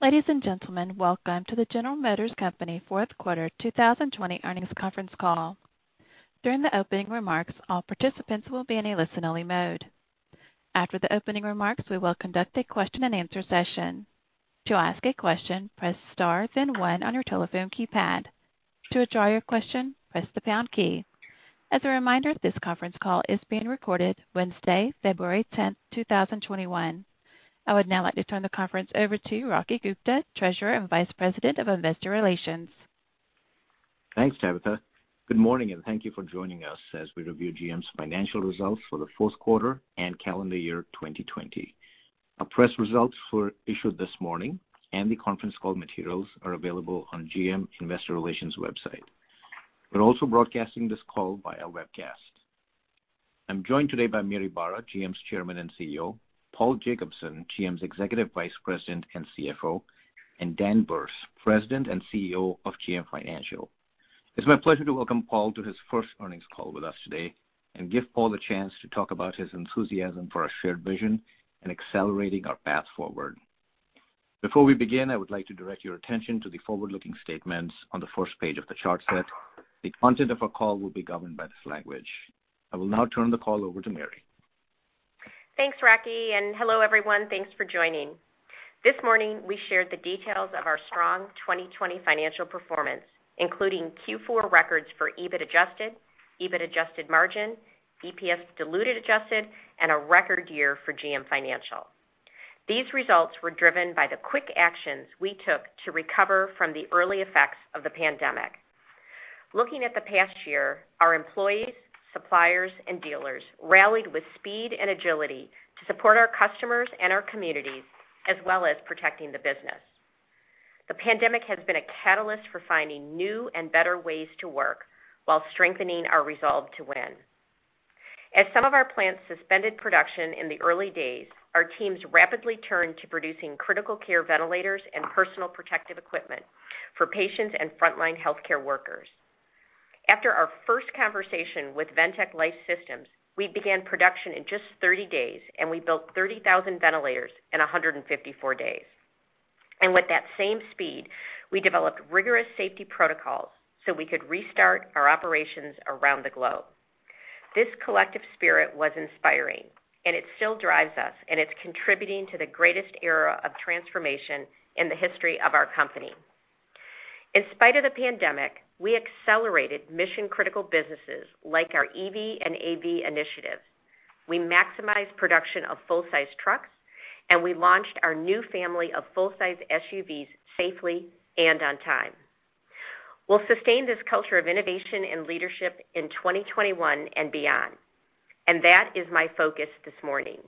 Ladies and gentlemen, welcome to the General Motors Company fourth quarter 2020 earnings conference call. I would now like to turn the conference over to Rocky Gupta, Treasurer and Vice President of Investor Relations. Thanks, Tabitha. Good morning, and thank you for joining us as we review GM's financial results for the fourth quarter and calendar year 2020. Our press results were issued this morning, and the conference call materials are available on GM Investor Relations website. We're also broadcasting this call via webcast. I'm joined today by Mary Barra, GM's Chairman and CEO, Paul Jacobson, GM's Executive Vice President and CFO, and Dan Berce, President and CEO of GM Financial. It's my pleasure to welcome Paul to his first earnings call with us today and give Paul the chance to talk about his enthusiasm for our shared vision in accelerating our path forward. Before we begin, I would like to direct your attention to the forward-looking statements on the first page of the chart set. The content of our call will be governed by this language. I will now turn the call over to Mary. Thanks, Rocky. Hello, everyone. Thanks for joining. This morning, we shared the details of our strong 2020 financial performance, including Q4 records for EBIT adjusted, EBIT adjusted margin, EPS diluted adjusted, and a record year for GM Financial. These results were driven by the quick actions we took to recover from the early effects of the pandemic. Looking at the past year, our employees, suppliers, and dealers rallied with speed and agility to support our customers and our communities, as well as protecting the business. The pandemic has been a catalyst for finding new and better ways to work while strengthening our resolve to win. As some of our plants suspended production in the early days, our teams rapidly turned to producing critical care ventilators and personal protective equipment for patients and frontline healthcare workers. After our first conversation with Ventec Life Systems, we began production in just 30 days, we built 30,000 ventilators in 154 days. With that same speed, we developed rigorous safety protocols so we could restart our operations around the globe. This collective spirit was inspiring, and it still drives us, and it's contributing to the greatest era of transformation in the history of our company. In spite of the pandemic, we accelerated mission-critical businesses like our EV and AV initiatives. We maximized production of full-size trucks, and we launched our new family of full-size SUVs safely and on time. We'll sustain this culture of innovation and leadership in 2021 and beyond, and that is my focus this morning.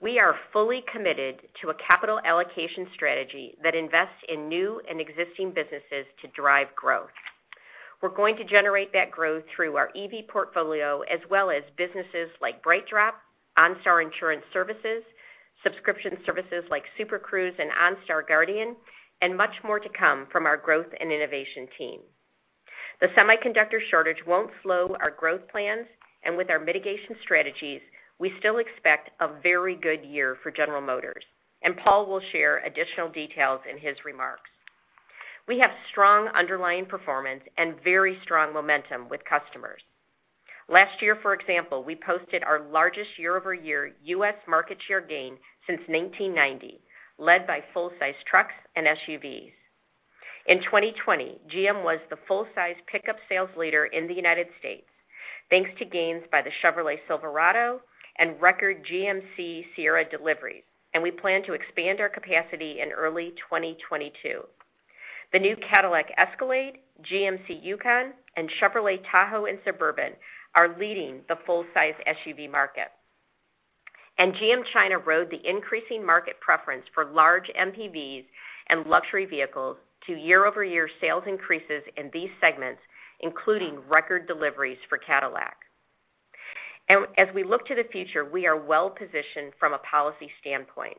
We are fully committed to a capital allocation strategy that invests in new and existing businesses to drive growth. We're going to generate that growth through our EV portfolio as well as businesses like BrightDrop, OnStar Insurance Services, subscription services like Super Cruise and OnStar Guardian, and much more to come from our growth and innovation team. The semiconductor shortage won't slow our growth plans, with our mitigation strategies, we still expect a very good year for General Motors, and Paul will share additional details in his remarks. We have strong underlying performance and very strong momentum with customers. Last year, for example, we posted our largest year-over-year U.S. market share gain since 1990, led by full-size trucks and SUVs. In 2020, GM was the full-size pickup sales leader in the United States, thanks to gains by the Chevrolet Silverado and record GMC Sierra deliveries. We plan to expand our capacity in early 2022. The new Cadillac Escalade, GMC Yukon, and Chevrolet Tahoe and Suburban are leading the full-size SUV market. GM China rode the increasing market preference for large MPVs and luxury vehicles to year-over-year sales increases in these segments, including record deliveries for Cadillac. As we look to the future, we are well-positioned from a policy standpoint.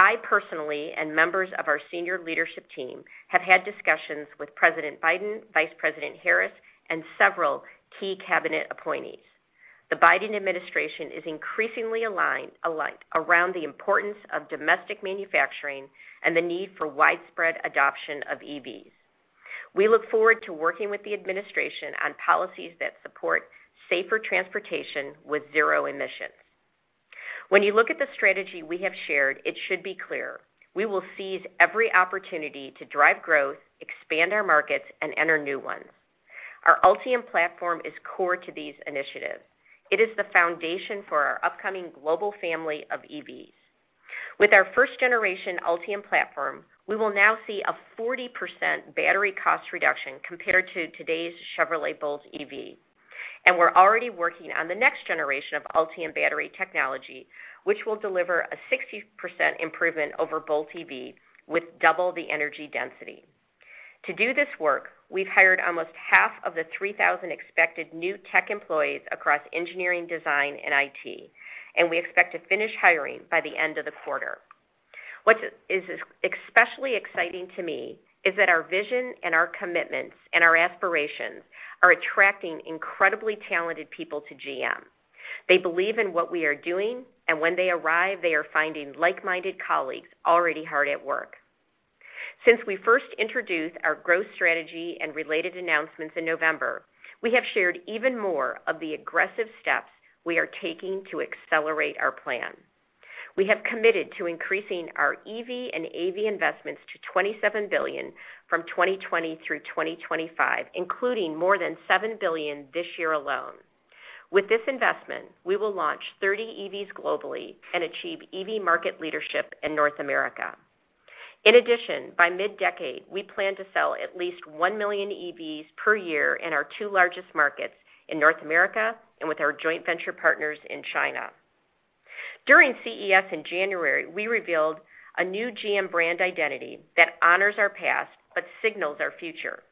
I personally, and members of our senior leadership team, have had discussions with President Biden, Vice President Harris, and several key cabinet appointees. The Biden administration is increasingly aligned around the importance of domestic manufacturing and the need for widespread adoption of EVs. We look forward to working with the administration on policies that support safer transportation with zero emissions. When you look at the strategy we have shared, it should be clear we will seize every opportunity to drive growth, expand our markets, and enter new ones. Our Ultium platform is core to these initiatives. It is the foundation for our upcoming global family of EVs. With our first-generation Ultium platform, we will now see a 40% battery cost reduction compared to today's Chevrolet Bolt EV. We're already working on the next generation of Ultium battery technology, which will deliver a 60% improvement over Bolt EV with double the energy density. To do this work, we've hired almost half of the 3,000 expected new tech employees across engineering, design, and IT, and we expect to finish hiring by the end of the quarter. What is especially exciting to me is that our vision and our commitments and our aspirations are attracting incredibly talented people to GM. They believe in what we are doing, and when they arrive, they are finding like-minded colleagues already hard at work. Since we first introduced our growth strategy and related announcements in November, we have shared even more of the aggressive steps we are taking to accelerate our plan. We have committed to increasing our EV and AV investments to $27 billion from 2020 through 2025, including more than $7 billion this year alone. With this investment, we will launch 30 EVs globally and achieve EV market leadership in North America. By mid-decade, we plan to sell at least one million EVs per year in our two largest markets, in North America and with our joint venture partners in China. During CES in January, we revealed a new GM brand identity that honors our past but signals our future.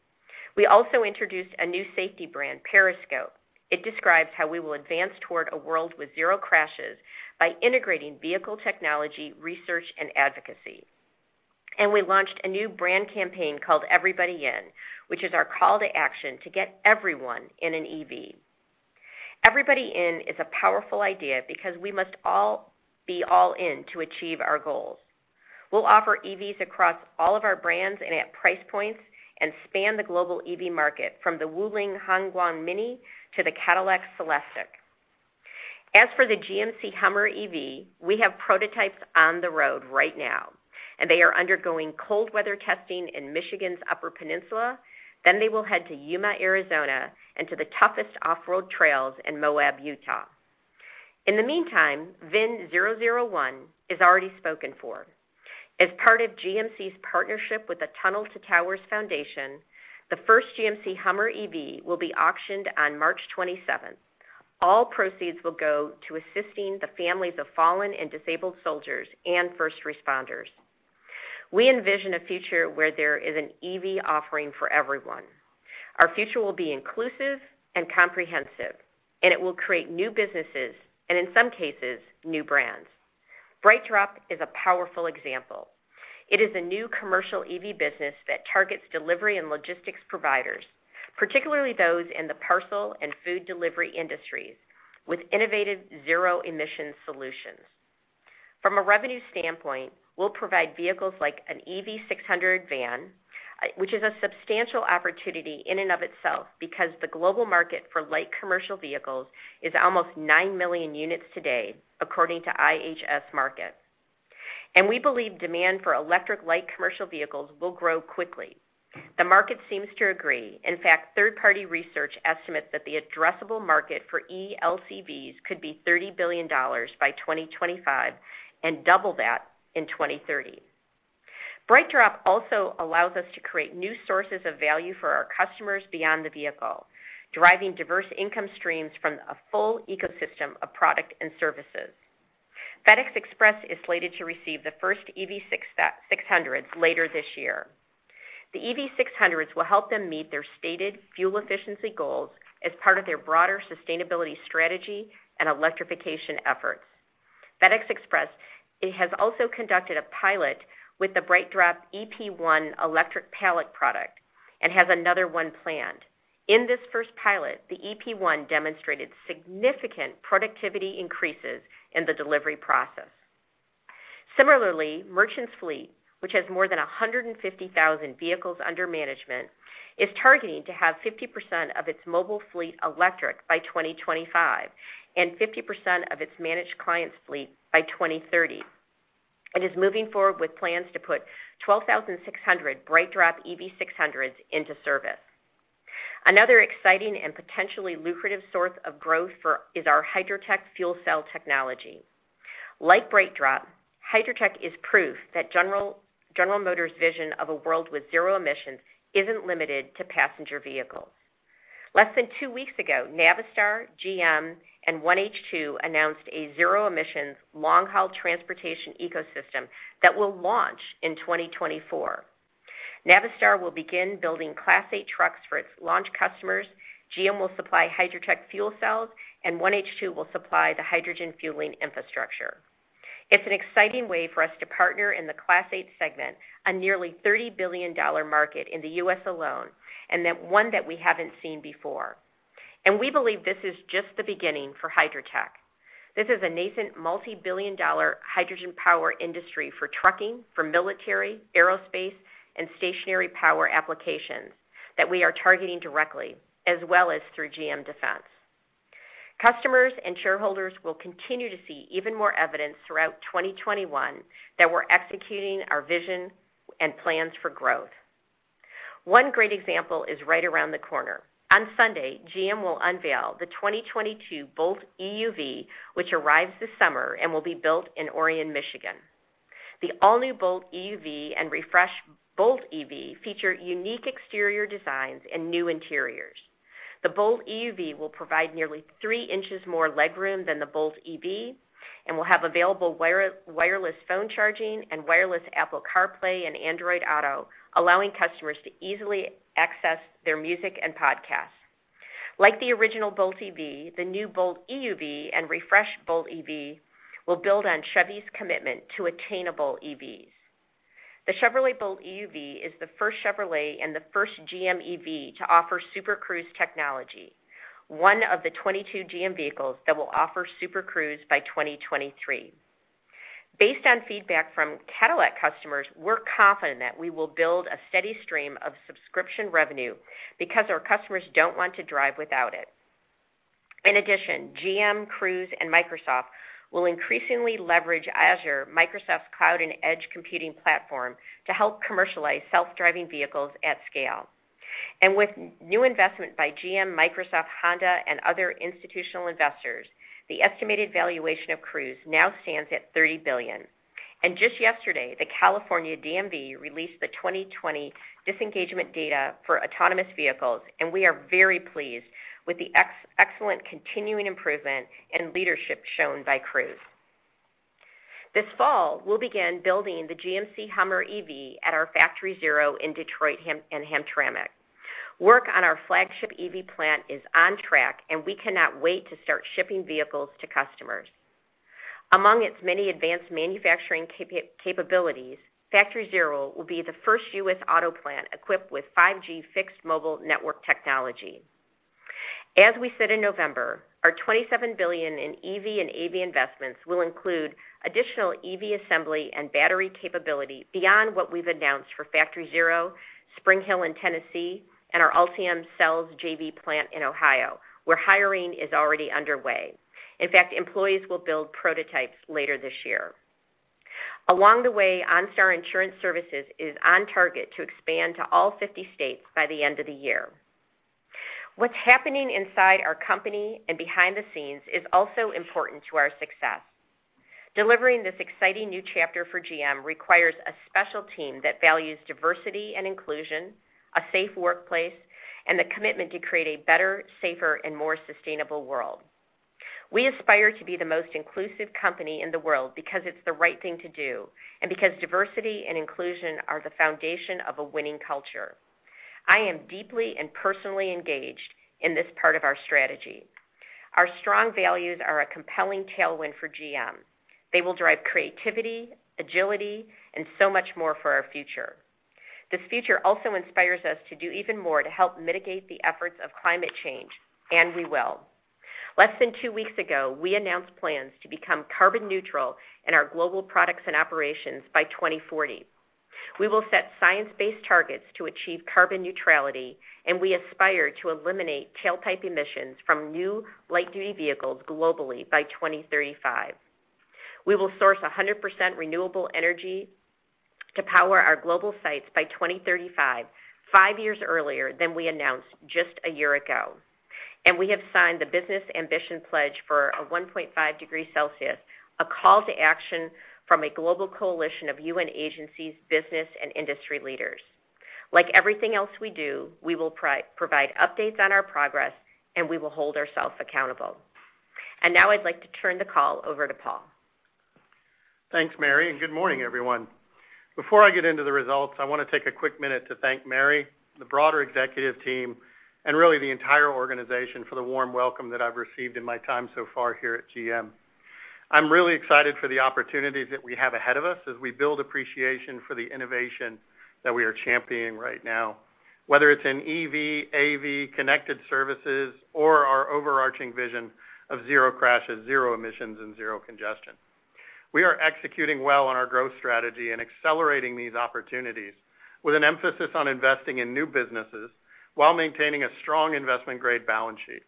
We also introduced a new safety brand, Periscope. It describes how we will advance toward a world with zero crashes by integrating vehicle technology, research, and advocacy. We launched a new brand campaign called Everybody In, which is our call to action to get everyone in an EV. Everybody In is a powerful idea because we must all be all in to achieve our goals. We'll offer EVs across all of our brands and at price points, and span the global EV market from the Wuling Hongguang Mini to the Cadillac CELESTIQ. As for the GMC HUMMER EV, we have prototypes on the road right now, and they are undergoing cold weather testing in Michigan's Upper Peninsula. They will head to Yuma, Arizona, and to the toughest off-road trails in Moab, Utah. In the meantime, VIN 001 is already spoken for. As part of GMC's partnership with the Tunnel to Towers Foundation, the first GMC HUMMER EV will be auctioned on March 27th. All proceeds will go to assisting the families of fallen and disabled soldiers and first responders. We envision a future where there is an EV offering for everyone. Our future will be inclusive and comprehensive, and it will create new businesses and, in some cases, new brands. BrightDrop is a powerful example. It is a new commercial EV business that targets delivery and logistics providers, particularly those in the parcel and food delivery industries, with innovative zero-emission solutions. From a revenue standpoint, we'll provide vehicles like an EV600 van, which is a substantial opportunity in and of itself because the global market for light commercial vehicles is almost 9,000,000 units today, according to IHS Markit. We believe demand for electric light commercial vehicles will grow quickly. The market seems to agree. In fact, third-party research estimates that the addressable market for ELCVs could be $30 billion by 2025 and double that in 2030. BrightDrop also allows us to create new sources of value for our customers beyond the vehicle, driving diverse income streams from a full ecosystem of product and services. FedEx Express is slated to receive the first EV600s later this year. The EV600s will help them meet their stated fuel efficiency goals as part of their broader sustainability strategy and electrification efforts. FedEx Express has also conducted a pilot with the BrightDrop EP1 electric pallet product and has another one planned. In this first pilot, the EP1 demonstrated significant productivity increases in the delivery process. Similarly, Merchants Fleet, which has more than 150,000 vehicles under management, is targeting to have 50% of its mobile fleet electric by 2025 and 50% of its managed client fleet by 2030 and is moving forward with plans to put 12,600 BrightDrop EV600s into service. Another exciting and potentially lucrative source of growth is our HYDROTEC fuel cell technology. Like BrightDrop, HYDROTEC is proof that General Motors' vision of a world with zero emissions isn't limited to passenger vehicles. Less than two weeks ago, Navistar, GM, and OneH2 announced a zero-emissions long-haul transportation ecosystem that will launch in 2024. Navistar will begin building Class 8 trucks for its launch customers, GM will supply HYDROTEC fuel cells, and OneH2 will supply the hydrogen fueling infrastructure. It's an exciting way for us to partner in the Class 8 segment, a nearly $30 billion market in the U.S. alone, and one that we haven't seen before. We believe this is just the beginning for HYDROTEC. This is a nascent multi-billion dollar hydrogen power industry for trucking, for military, aerospace, and stationary power applications that we are targeting directly as well as through GM Defense. Customers and shareholders will continue to see even more evidence throughout 2021 that we're executing our vision and plans for growth. One great example is right around the corner. On Sunday, GM will unveil the 2022 Bolt EUV, which arrives this summer and will be built in Orion, Michigan. The all-new Bolt EUV and refreshed Bolt EV feature unique exterior designs and new interiors. The Bolt EUV will provide nearly three inches more legroom than the Bolt EV and will have available wireless phone charging and wireless Apple CarPlay and Android Auto, allowing customers to easily access their music and podcasts. Like the original Bolt EV, the new Bolt EUV and refreshed Bolt EV will build on Chevy's commitment to attainable EVs. The Chevrolet Bolt EUV is the first Chevrolet and the first GM EV to offer Super Cruise technology, one of the 22 GM vehicles that will offer Super Cruise by 2023. Based on feedback from Cadillac customers, we're confident that we will build a steady stream of subscription revenue because our customers don't want to drive without it. In addition, GM, Cruise, and Microsoft will increasingly leverage Azure, Microsoft's cloud and edge computing platform, to help commercialize self-driving vehicles at scale. With new investment by GM, Microsoft, Honda, and other institutional investors, the estimated valuation of Cruise now stands at $30 billion. Just yesterday, the California DMV released the 2020 disengagement data for autonomous vehicles, and we are very pleased with the excellent continuing improvement and leadership shown by Cruise. This fall, we'll begin building the GMC HUMMER EV at our Factory Zero in Detroit and Hamtramck. Work on our flagship EV plant is on track, and we cannot wait to start shipping vehicles to customers. Among its many advanced manufacturing capabilities, Factory Zero will be the first U.S. auto plant equipped with 5G fixed mobile network technology. As we said in November, our $27 billion in EV and AV investments will include additional EV assembly and battery capability beyond what we've announced for Factory Zero, Spring Hill in Tennessee, and our Ultium Cells JV plant in Ohio, where hiring is already underway. In fact, employees will build prototypes later this year. Along the way, OnStar Insurance Services is on target to expand to all 50 states by the end of the year. What's happening inside our company and behind the scenes is also important to our success. Delivering this exciting new chapter for GM requires a special team that values diversity and inclusion, a safe workplace, and the commitment to create a better, safer, and more sustainable world. We aspire to be the most inclusive company in the world because it's the right thing to do, and because diversity and inclusion are the foundation of a winning culture. I am deeply and personally engaged in this part of our strategy. Our strong values are a compelling tailwind for GM. They will drive creativity, agility, and so much more for our future. This future also inspires us to do even more to help mitigate the efforts of climate change, and we will. Less than two weeks ago, we announced plans to become carbon neutral in our global products and operations by 2040. We will set science-based targets to achieve carbon neutrality, and we aspire to eliminate tailpipe emissions from new light-duty vehicles globally by 2035. We will source 100% renewable energy to power our global sites by 2035, five years earlier than we announced just one year ago. We have signed the Business Ambition Pledge for a 1.5°C, a call to action from a global coalition of UN agencies, business, and industry leaders. Like everything else we do, we will provide updates on our progress, and we will hold ourselves accountable. Now I'd like to turn the call over to Paul. Thanks, Mary. Good morning, everyone. Before I get into the results, I want to take a quick minute to thank Mary, the broader Executive team, and really the entire organization for the warm welcome that I've received in my time so far here at GM. I'm really excited for the opportunities that we have ahead of us as we build appreciation for the innovation that we are championing right now, whether it's in EV, AV, connected services, or our overarching vision of zero crashes, zero emissions, and zero congestion. We are executing well on our growth strategy and accelerating these opportunities with an emphasis on investing in new businesses while maintaining a strong investment-grade balance sheet.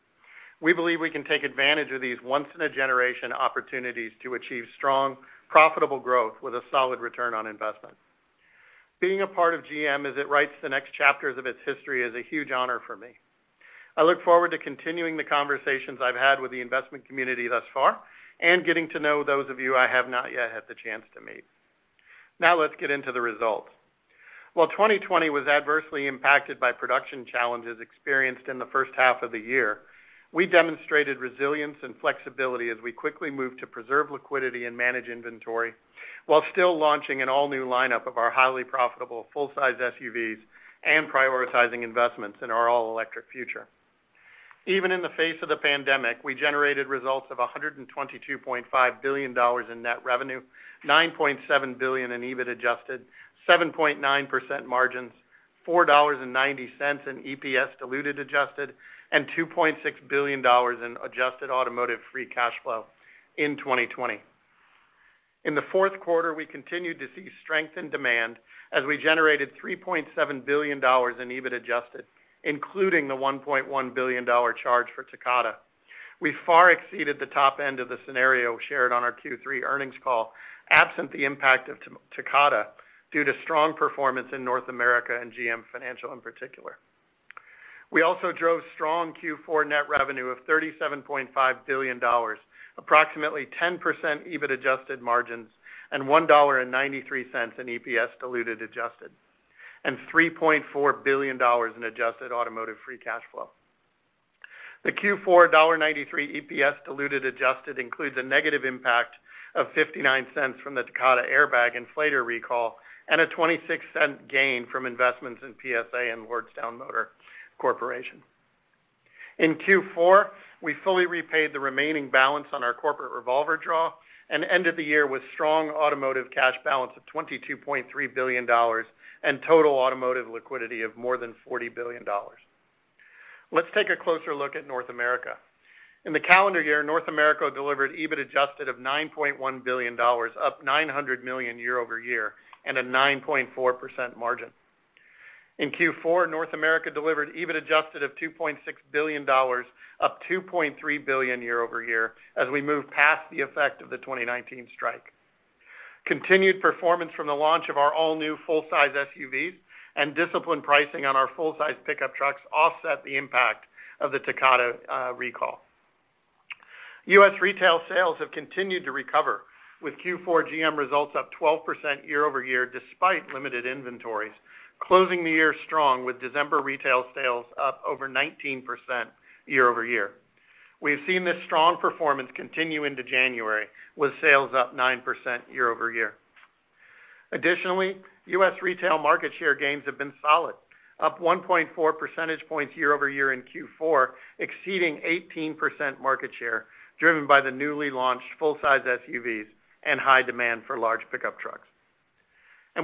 We believe we can take advantage of these once-in-a-generation opportunities to achieve strong, profitable growth with a solid return on investment. Being a part of GM as it writes the next chapters of its history is a huge honor for me. I look forward to continuing the conversations I've had with the investment community thus far and getting to know those of you I have not yet had the chance to meet. Now let's get into the results. While 2020 was adversely impacted by production challenges experienced in the first half of the year, we demonstrated resilience and flexibility as we quickly moved to preserve liquidity and manage inventory while still launching an all-new lineup of our highly profitable full-size SUVs and prioritizing investments in our all-electric future. Even in the face of the pandemic, we generated results of $122.5 billion in net revenue, $9.7 billion in EBIT adjusted, 7.9% margins, $4.90 in EPS diluted adjusted, and $2.6 billion in adjusted automotive free cash flow in 2020. In the fourth quarter, we continued to see strength and demand as we generated $3.7 billion in EBIT adjusted, including the $1.1 billion charge for Takata. We far exceeded the top end of the scenario shared on our Q3 earnings call, absent the impact of Takata, due to strong performance in North America and GM Financial in particular. We also drove strong Q4 net revenue of $37.5 billion, approximately 10% EBIT adjusted margins, and $1.93 in EPS diluted adjusted, and $3.4 billion in adjusted automotive free cash flow. The Q4 $1.93 EPS diluted adjusted includes a negative impact of $0.59 from the Takata Airbag Inflator Recall and a $0.26 gain from investments in PSA and Lordstown Motors Corp. In Q4, we fully repaid the remaining balance on our corporate revolver draw and ended the year with strong automotive cash balance of $22.3 billion and total automotive liquidity of more than $40 billion. Let's take a closer look at North America. In the calendar year, North America delivered EBIT adjusted of $9.1 billion, up $900 million year-over-year, and a 9.4% margin. In Q4, North America delivered EBIT adjusted of $2.6 billion, up $2.3 billion year-over-year as we move past the effect of the 2019 strike. Continued performance from the launch of our all-new full-size SUVs and disciplined pricing on our full-size pickup trucks offset the impact of the Takata recall. U.S. retail sales have continued to recover, with Q4 GM results up 12% year-over-year, despite limited inventories, closing the year strong with December retail sales up over 19% year-over-year. We've seen this strong performance continue into January, with sales up 9% year-over-year. Additionally, U.S. retail market share gains have been solid, up 1.4 percentage points year-over-year in Q4, exceeding 18% market share, driven by the newly launched full-size SUVs and high demand for large pickup trucks.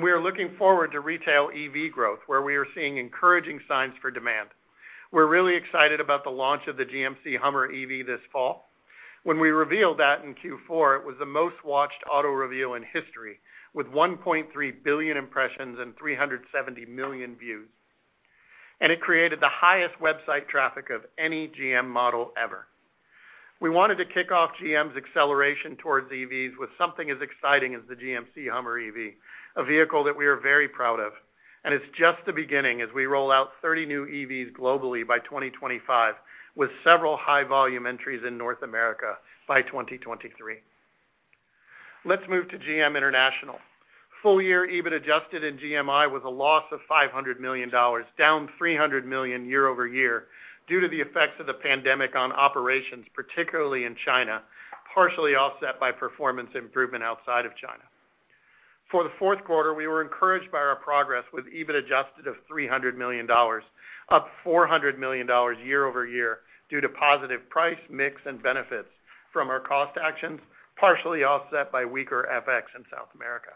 We are looking forward to retail EV growth, where we are seeing encouraging signs for demand. We're really excited about the launch of the GMC HUMMER EV this fall. When we revealed that in Q4, it was the most-watched auto reveal in history, with 1.3 billion impressions and 370 million views. It created the highest website traffic of any GM model ever. We wanted to kick off GM's acceleration towards EVs with something as exciting as the GMC HUMMER EV, a vehicle that we are very proud of, and it's just the beginning as we roll out 30 new EVs globally by 2025, with several high-volume entries in North America by 2023. Let's move to GM International. Full-year EBIT adjusted in GMI was a loss of $500 million, down $300 million year-over-year due to the effects of the pandemic on operations, particularly in China, partially offset by performance improvement outside of China. For the fourth quarter, we were encouraged by our progress with EBIT adjusted of $300 million, up $400 million year-over-year due to positive price mix and benefits from our cost actions, partially offset by weaker FX in South America.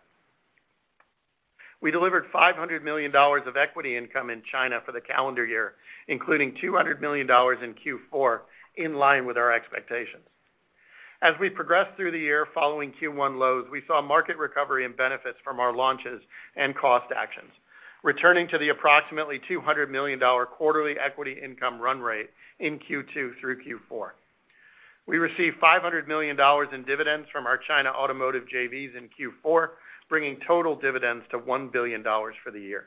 We delivered $500 million of equity income in China for the calendar year, including $200 million in Q4, in line with our expectations. As we progressed through the year following Q1 lows, we saw market recovery and benefits from our launches and cost actions, returning to the approximately $200 million quarterly equity income run rate in Q2 through Q4. We received $500 million in dividends from our China automotive JVs in Q4, bringing total dividends to $1 billion for the year.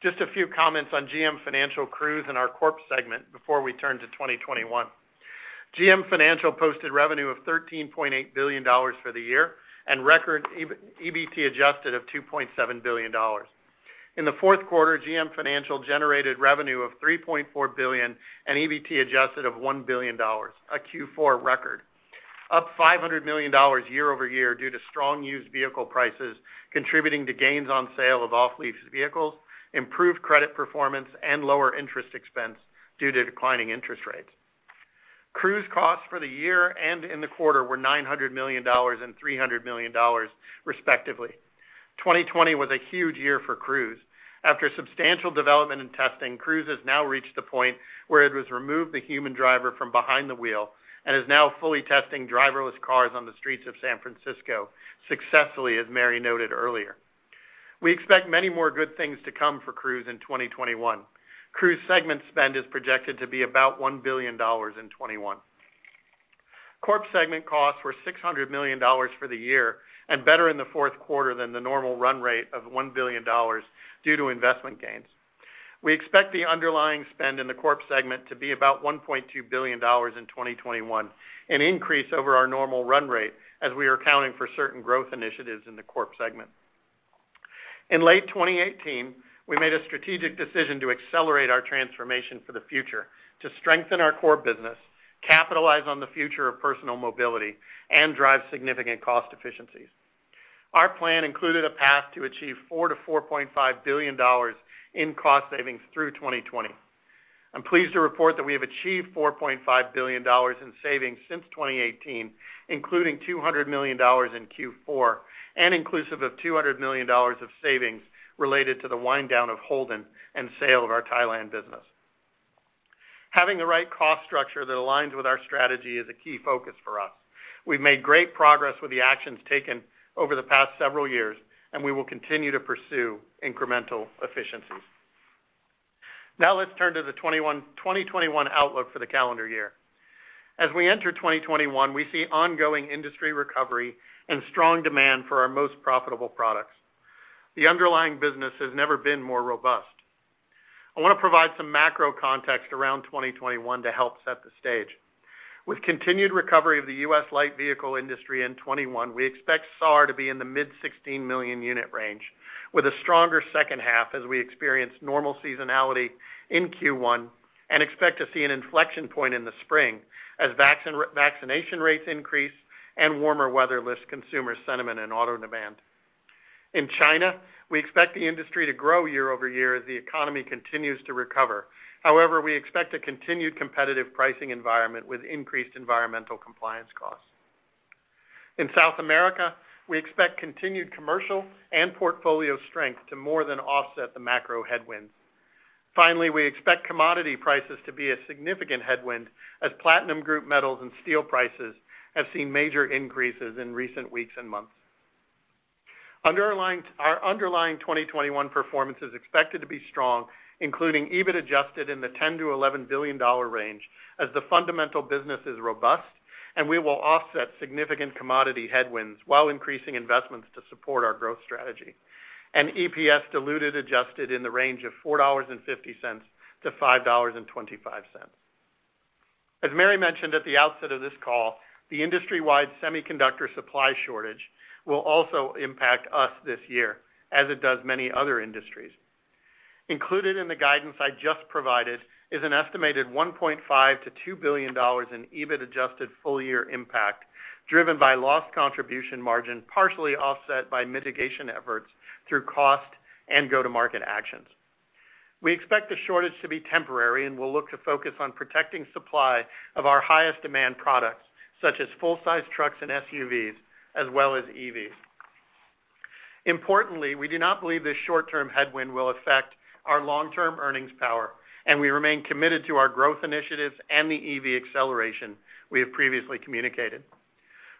Just a few comments on GM Financial, Cruise, and our Corp segment before we turn to 2021. GM Financial posted revenue of $13.8 billion for the year and record EBT adjusted of $2.7 billion. In the fourth quarter, GM Financial generated revenue of $3.4 billion and EBT adjusted of $1 billion, a Q4 record, up $500 million year-over-year due to strong used vehicle prices contributing to gains on sale of off-lease vehicles, improved credit performance, and lower interest expense due to declining interest rates. Cruise costs for the year and in the quarter were $900 million and $300 million, respectively. 2020 was a huge year for Cruise. After substantial development and testing, Cruise has now reached the point where it has removed the human driver from behind the wheel and is now fully testing driverless cars on the streets of San Francisco successfully, as Mary noted earlier. We expect many more good things to come for Cruise in 2021. Cruise segment spend is projected to be about $1 billion in 2021. Corp segment costs were $600 million for the year and better in the fourth quarter than the normal run rate of $1 billion due to investment gains. We expect the underlying spend in the Corp segment to be about $1.2 billion in 2021, an increase over our normal run rate as we are accounting for certain growth initiatives in the Corp segment. In late 2018, we made a strategic decision to accelerate our transformation for the future, to strengthen our core business, capitalize on the future of personal mobility, and drive significant cost efficiencies. Our plan included a path to achieve $4 billion-$4.5 billion in cost savings through 2020. I'm pleased to report that we have achieved $4.5 billion in savings since 2018, including $200 million in Q4, and inclusive of $200 million of savings related to the wind-down of Holden and sale of our Thailand business. Having the right cost structure that aligns with our strategy is a key focus for us. We've made great progress with the actions taken over the past several years, and we will continue to pursue incremental efficiencies. Now let's turn to the 2021 outlook for the calendar year. As we enter 2021, we see ongoing industry recovery and strong demand for our most profitable products. The underlying business has never been more robust. I want to provide some macro context around 2021 to help set the stage. With continued recovery of the U.S. light vehicle industry in 2021, we expect SAAR to be in the mid 16 million unit range with a stronger second half as we experience normal seasonality in Q1 and expect to see an inflection point in the spring as vaccination rates increase and warmer weather lifts consumer sentiment and auto demand. In China, we expect the industry to grow year-over-year as the economy continues to recover. However, we expect a continued competitive pricing environment with increased environmental compliance costs. In South America, we expect continued commercial and portfolio strength to more than offset the macro headwinds. Finally, we expect commodity prices to be a significant headwind as platinum group metals and steel prices have seen major increases in recent weeks and months. Our underlying 2021 performance is expected to be strong, including EBIT adjusted in the $10 billion-$11 billion range, as the fundamental business is robust, we will offset significant commodity headwinds while increasing investments to support our growth strategy. EPS diluted adjusted in the range of $4.50-$5.25. As Mary mentioned at the outset of this call, the industry-wide semiconductor supply shortage will also impact us this year, as it does many other industries. Included in the guidance I just provided is an estimated $1.5 billion-$2 billion in EBIT adjusted full-year impact, driven by loss contribution margin, partially offset by mitigation efforts through cost and go-to-market actions. We expect the shortage to be temporary, and we'll look to focus on protecting supply of our highest demand products, such as full-size trucks and SUVs, as well as EVs. We do not believe this short-term headwind will affect our long-term earnings power, and we remain committed to our growth initiatives and the EV acceleration we have previously communicated.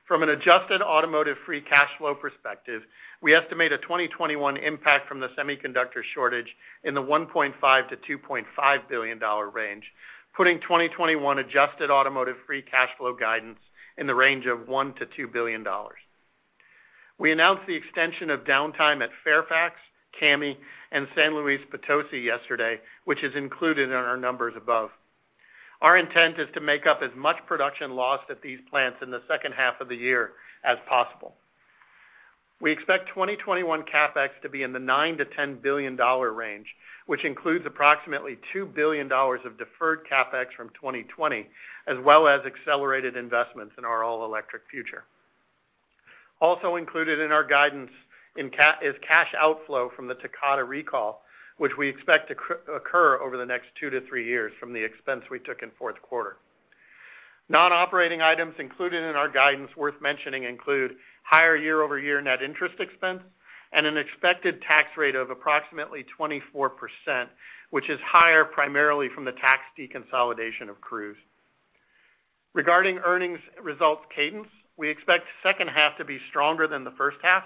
From an adjusted automotive free cash flow perspective, we estimate a 2021 impact from the semiconductor shortage in the $1.5 billion-$2.5 billion range, putting 2021 adjusted automotive free cash flow guidance in the range of $1 billion-$2 billion. We announced the extension of downtime at Fairfax, CAMI, and San Luis Potosi yesterday, which is included in our numbers above. Our intent is to make up as much production lost at these plants in the second half of the year as possible. We expect 2021 CapEx to be in the $9 billion-$10 billion range, which includes approximately $2 billion of deferred CapEx from 2020, as well as accelerated investments in our all-electric future. Also included in our guidance is cash outflow from the Takata recall, which we expect to occur over the next two to three years from the expense we took in fourth quarter. Non-operating items included in our guidance worth mentioning include higher year-over-year net interest expense and an expected tax rate of approximately 24%, which is higher primarily from the tax deconsolidation of Cruise. Regarding earnings results cadence, we expect the second half to be stronger than the first half,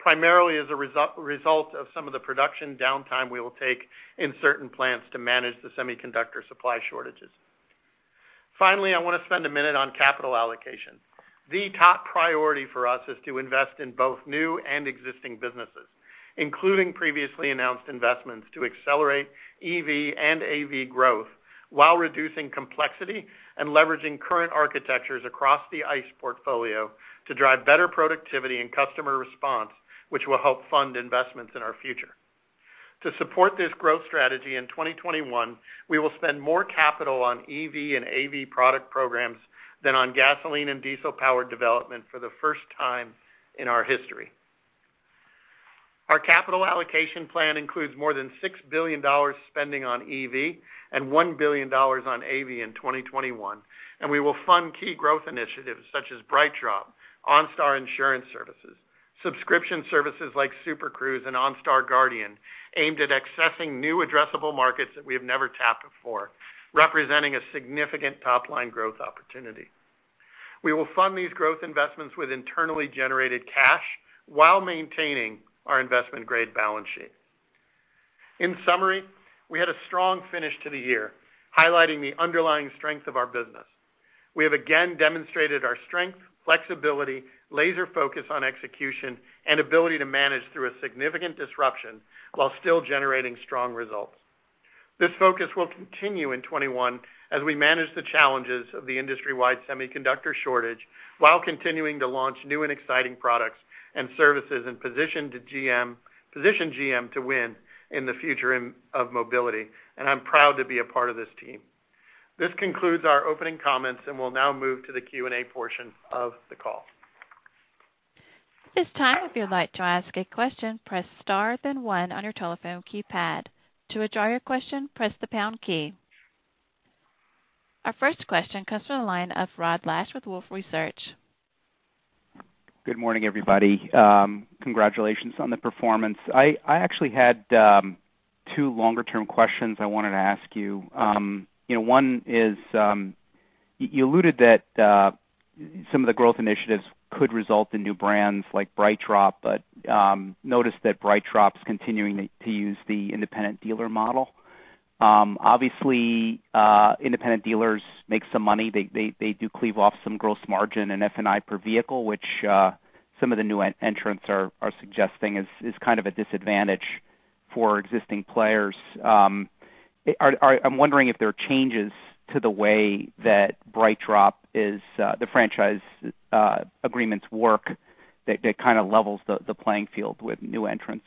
primarily as a result of some of the production downtime we will take in certain plants to manage the semiconductor supply shortages. Finally, I want to spend a minute on capital allocation. The top priority for us is to invest in both new and existing businesses, including previously announced investments to accelerate EV and AV growth while reducing complexity and leveraging current architectures across the ICE portfolio to drive better productivity and customer response, which will help fund investments in our future. To support this growth strategy in 2021, we will spend more capital on EV and AV product programs than on gasoline and diesel-powered development for the first time in our history. Our capital allocation plan includes more than $6 billion spending on EV and $1 billion on AV in 2021, and we will fund key growth initiatives such as BrightDrop, OnStar Insurance Services, subscription services like Super Cruise and OnStar Guardian, aimed at accessing new addressable markets that we have never tapped before, representing a significant top-line growth opportunity. We will fund these growth investments with internally generated cash while maintaining our investment-grade balance sheet. In summary, we had a strong finish to the year, highlighting the underlying strength of our business. We have again demonstrated our strength, flexibility, laser focus on execution, and ability to manage through a significant disruption while still generating strong results. This focus will continue in 2021 as we manage the challenges of the industry-wide semiconductor shortage while continuing to launch new and exciting products and services, and position GM to win in the future of mobility, and I'm proud to be a part of this team. This concludes our opening comments, and we'll now move to the Q&A portion of the call. Our first question comes from the line of Rod Lache with Wolfe Research. Good morning, everybody. Congratulations on the performance. I actually had two longer-term questions I wanted to ask you. One is, you alluded that some of the growth initiatives could result in new brands like BrightDrop, but noticed that BrightDrop's continuing to use the independent dealer model. Obviously, independent dealers make some money. They do cleave off some gross margin in F&I per vehicle, which some of the new entrants are suggesting is kind of a disadvantage for existing players. I'm wondering if there are changes to the way that BrightDrop franchise agreements work that kind of levels the playing field with new entrants?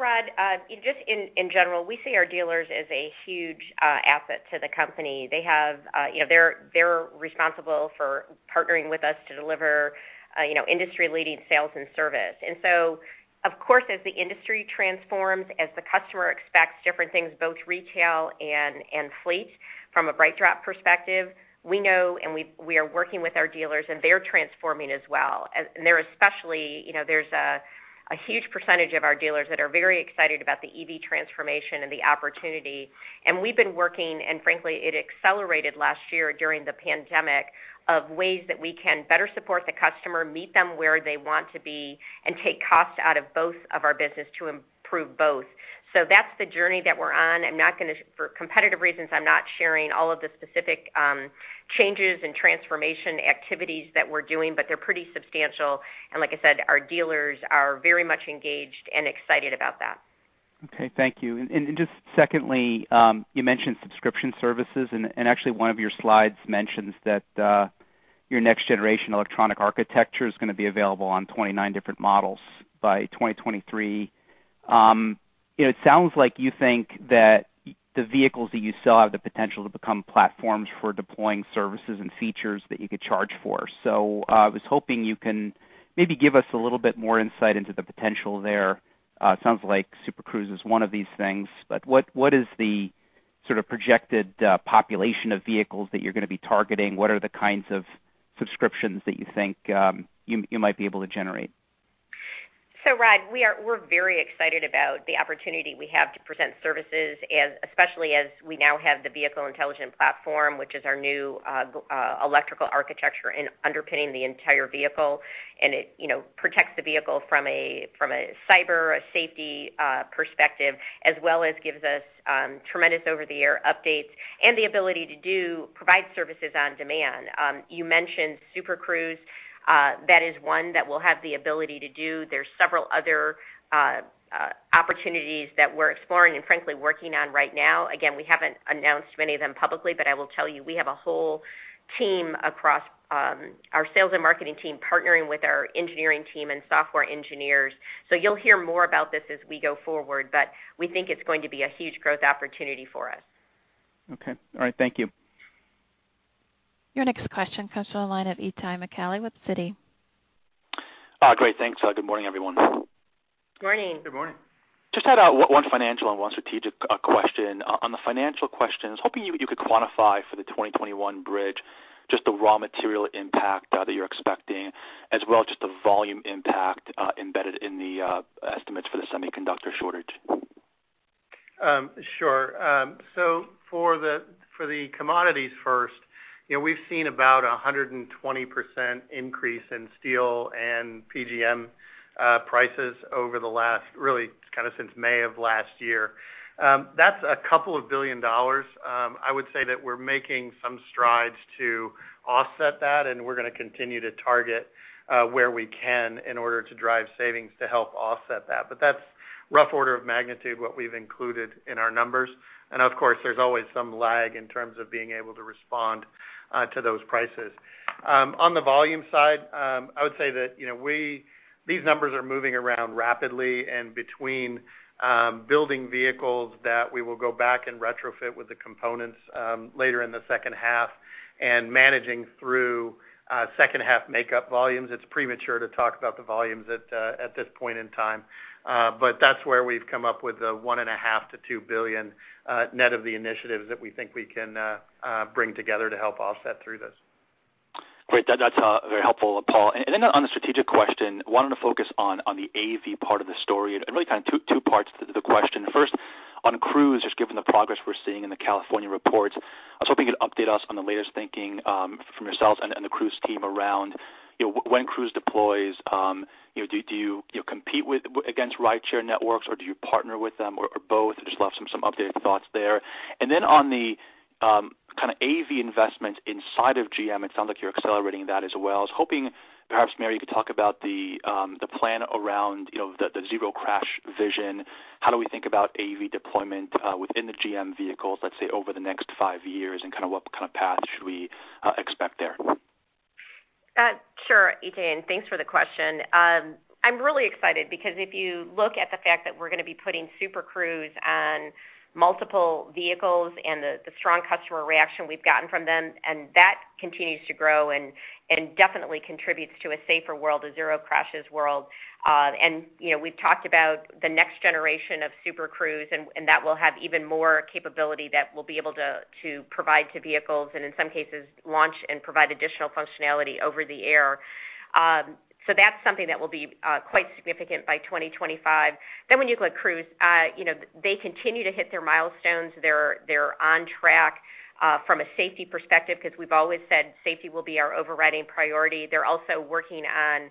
Rod, just in general, we see our dealers as a huge asset to the company. They're responsible for partnering with us to deliver industry-leading sales and service. Of course, as the industry transforms, as the customer expects different things, both retail and fleet, from a BrightDrop perspective, we know and we are working with our dealers, and they're transforming as well. There's a huge percentage of our dealers that are very excited about the EV transformation and the opportunity. We've been working, and frankly, it accelerated last year during the pandemic, of ways that we can better support the customer, meet them where they want to be, and take costs out of both of our business to improve both. That's the journey that we're on. For competitive reasons, I'm not sharing all of the specific changes and transformation activities that we're doing, but they're pretty substantial. Like I said, our dealers are very much engaged and excited about that. Okay. Thank you. Just secondly, you mentioned subscription services, and actually one of your slides mentions that your next-generation electronic architecture is going to be available on 29 different models by 2023. It sounds like you think that the vehicles that you sell have the potential to become platforms for deploying services and features that you could charge for. I was hoping you can maybe give us a little bit more insight into the potential there. It sounds like Super Cruise is one of these things. What is the sort of projected population of vehicles that you're going to be targeting? What are the kinds of subscriptions that you think you might be able to generate? Rod, we're very excited about the opportunity we have to present services, especially as we now have the Vehicle Intelligent Platform, which is our new electrical architecture underpinning the entire vehicle. It protects the vehicle from a cyber, a safety perspective, as well as gives us tremendous over-the-air updates and the ability to provide services on demand. You mentioned Super Cruise. That is one that we'll have the ability to do. There's several other opportunities that we're exploring and frankly working on right now. We haven't announced many of them publicly, but I will tell you, we have a whole team across our Sales and Marketing team, partnering with our Engineering team and software engineers. You'll hear more about this as we go forward. We think it's going to be a huge growth opportunity for us. Okay. All right. Thank you. Your next question comes from the line of Itay Michaeli with Citi. Great. Thanks. Good morning, everyone. Morning. Good morning. Just had one financial and one strategic question. On the financial questions, hoping you could quantify for the 2021 bridge, just the raw material impact that you're expecting as well, just the volume impact embedded in the estimates for the semiconductor shortage. Sure. For the commodities first, we've seen about 120% increase in steel and PGM prices over the last, really kind of since May of last year. That's a couple of billion dollars. I would say that we're making some strides to offset that, and we're going to continue to target where we can in order to drive savings to help offset that. That's rough order of magnitude, what we've included in our numbers. Of course, there's always some lag in terms of being able to respond to those prices. On the volume side, I would say that these numbers are moving around rapidly, and between building vehicles that we will go back and retrofit with the components later in the second half and managing through second half makeup volumes, it's premature to talk about the volumes at this point in time. That's where we've come up with the $1.5 billion-$2 billion net of the initiatives that we think we can bring together to help offset through this. Great. That's very helpful, Paul. Then on the strategic question, wanted to focus on the AV part of the story, and really kind of two parts to the question. First, on Cruise, just given the progress we're seeing in the California reports, I was hoping you could update us on the latest thinking from yourselves and the Cruise team around when Cruise deploys. Do you compete against rideshare networks, or do you partner with them, or both? I just love some updated thoughts there. Then on the kind of AV investment inside of GM, it sounds like you're accelerating that as well. I was hoping perhaps, Mary, you could talk about the plan around the zero crash vision. How do we think about AV deployment within the GM vehicles, let's say, over the next five years, and what kind of path should we expect there? Sure, Itay, thanks for the question. I'm really excited because if you look at the fact that we're going to be putting Super Cruise on multiple vehicles and the strong customer reaction we've gotten from them, that continues to grow and definitely contributes to a safer world, a zero crashes world. We've talked about the next generation of Super Cruise, that will have even more capability that we'll be able to provide to vehicles, in some cases, launch and provide additional functionality over the air. That's something that will be quite significant by 2025. When you look at Cruise, they continue to hit their milestones. They're on track from a safety perspective, because we've always said safety will be our overriding priority. They're also working on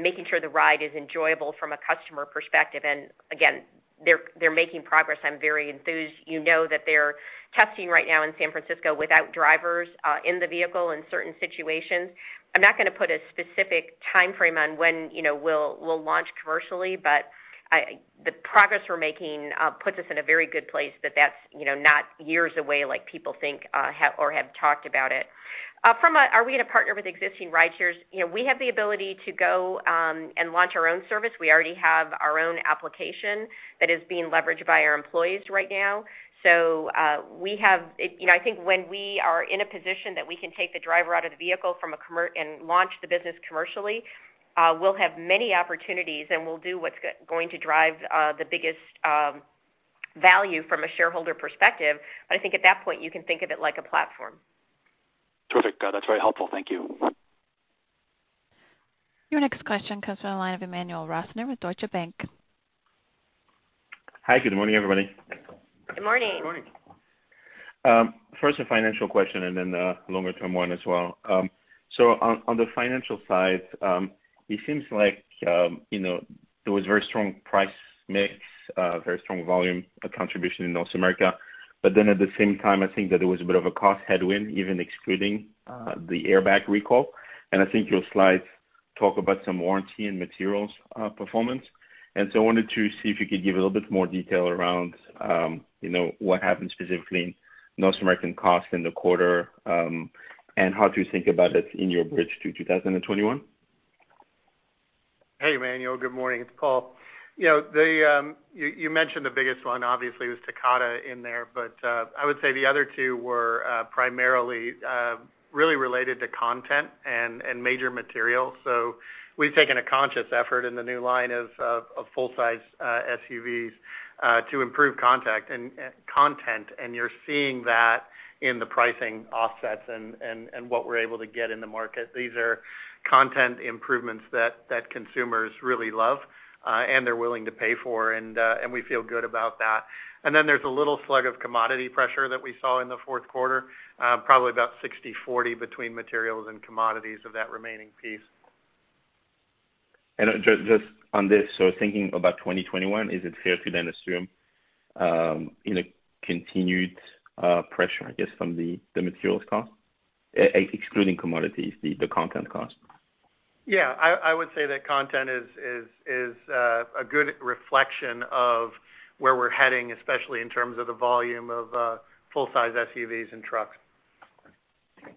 making sure the ride is enjoyable from a customer perspective. They're making progress. I'm very enthused. You know that they're testing right now in San Francisco without drivers in the vehicle in certain situations. I'm not going to put a specific timeframe on when we'll launch commercially. The progress we're making puts us in a very good place that that's not years away like people think or have talked about it. "Are we going to partner with existing rideshares?" We have the ability to go and launch our own service. We already have our own application that is being leveraged by our employees right now. I think when we are in a position that we can take the driver out of the vehicle and launch the business commercially, we'll have many opportunities, and we'll do what's going to drive the biggest value from a shareholder perspective. I think at that point, you can think of it like a platform. Perfect. That's very helpful. Thank you. Your next question comes from the line of Emmanuel Rosner with Deutsche Bank. Hi, good morning, everybody. Good morning. First a financial question and then a longer-term one as well. On the financial side, it seems like there was very strong price mix, very strong volume contribution in North America. At the same time, I think that there was a bit of a cost headwind, even excluding the Airbag Recall. I think your slides talk about some warranty and materials performance. I wanted to see if you could give a little bit more detail around what happened specifically in North American costs in the quarter, and how to think about it in your bridge to 2021. Hey, Emmanuel. Good morning. It's Paul. You mentioned the biggest one obviously was Takata in there. I would say the other two were primarily really related to content and major materials. We've taken a conscious effort in the new line of full-size SUVs to improve content. You're seeing that in the pricing offsets and what we're able to get in the market. These are content improvements that consumers really love, and they're willing to pay for, and we feel good about that. There's a little slug of commodity pressure that we saw in the fourth quarter, probably about 60/40 between materials and commodities of that remaining piece. Just on this, thinking about 2021, is it fair to then assume continued pressure, I guess, from the materials cost, excluding commodities, the content cost? Yeah, I would say that content is a good reflection of where we're heading, especially in terms of the volume of full-size SUVs and trucks.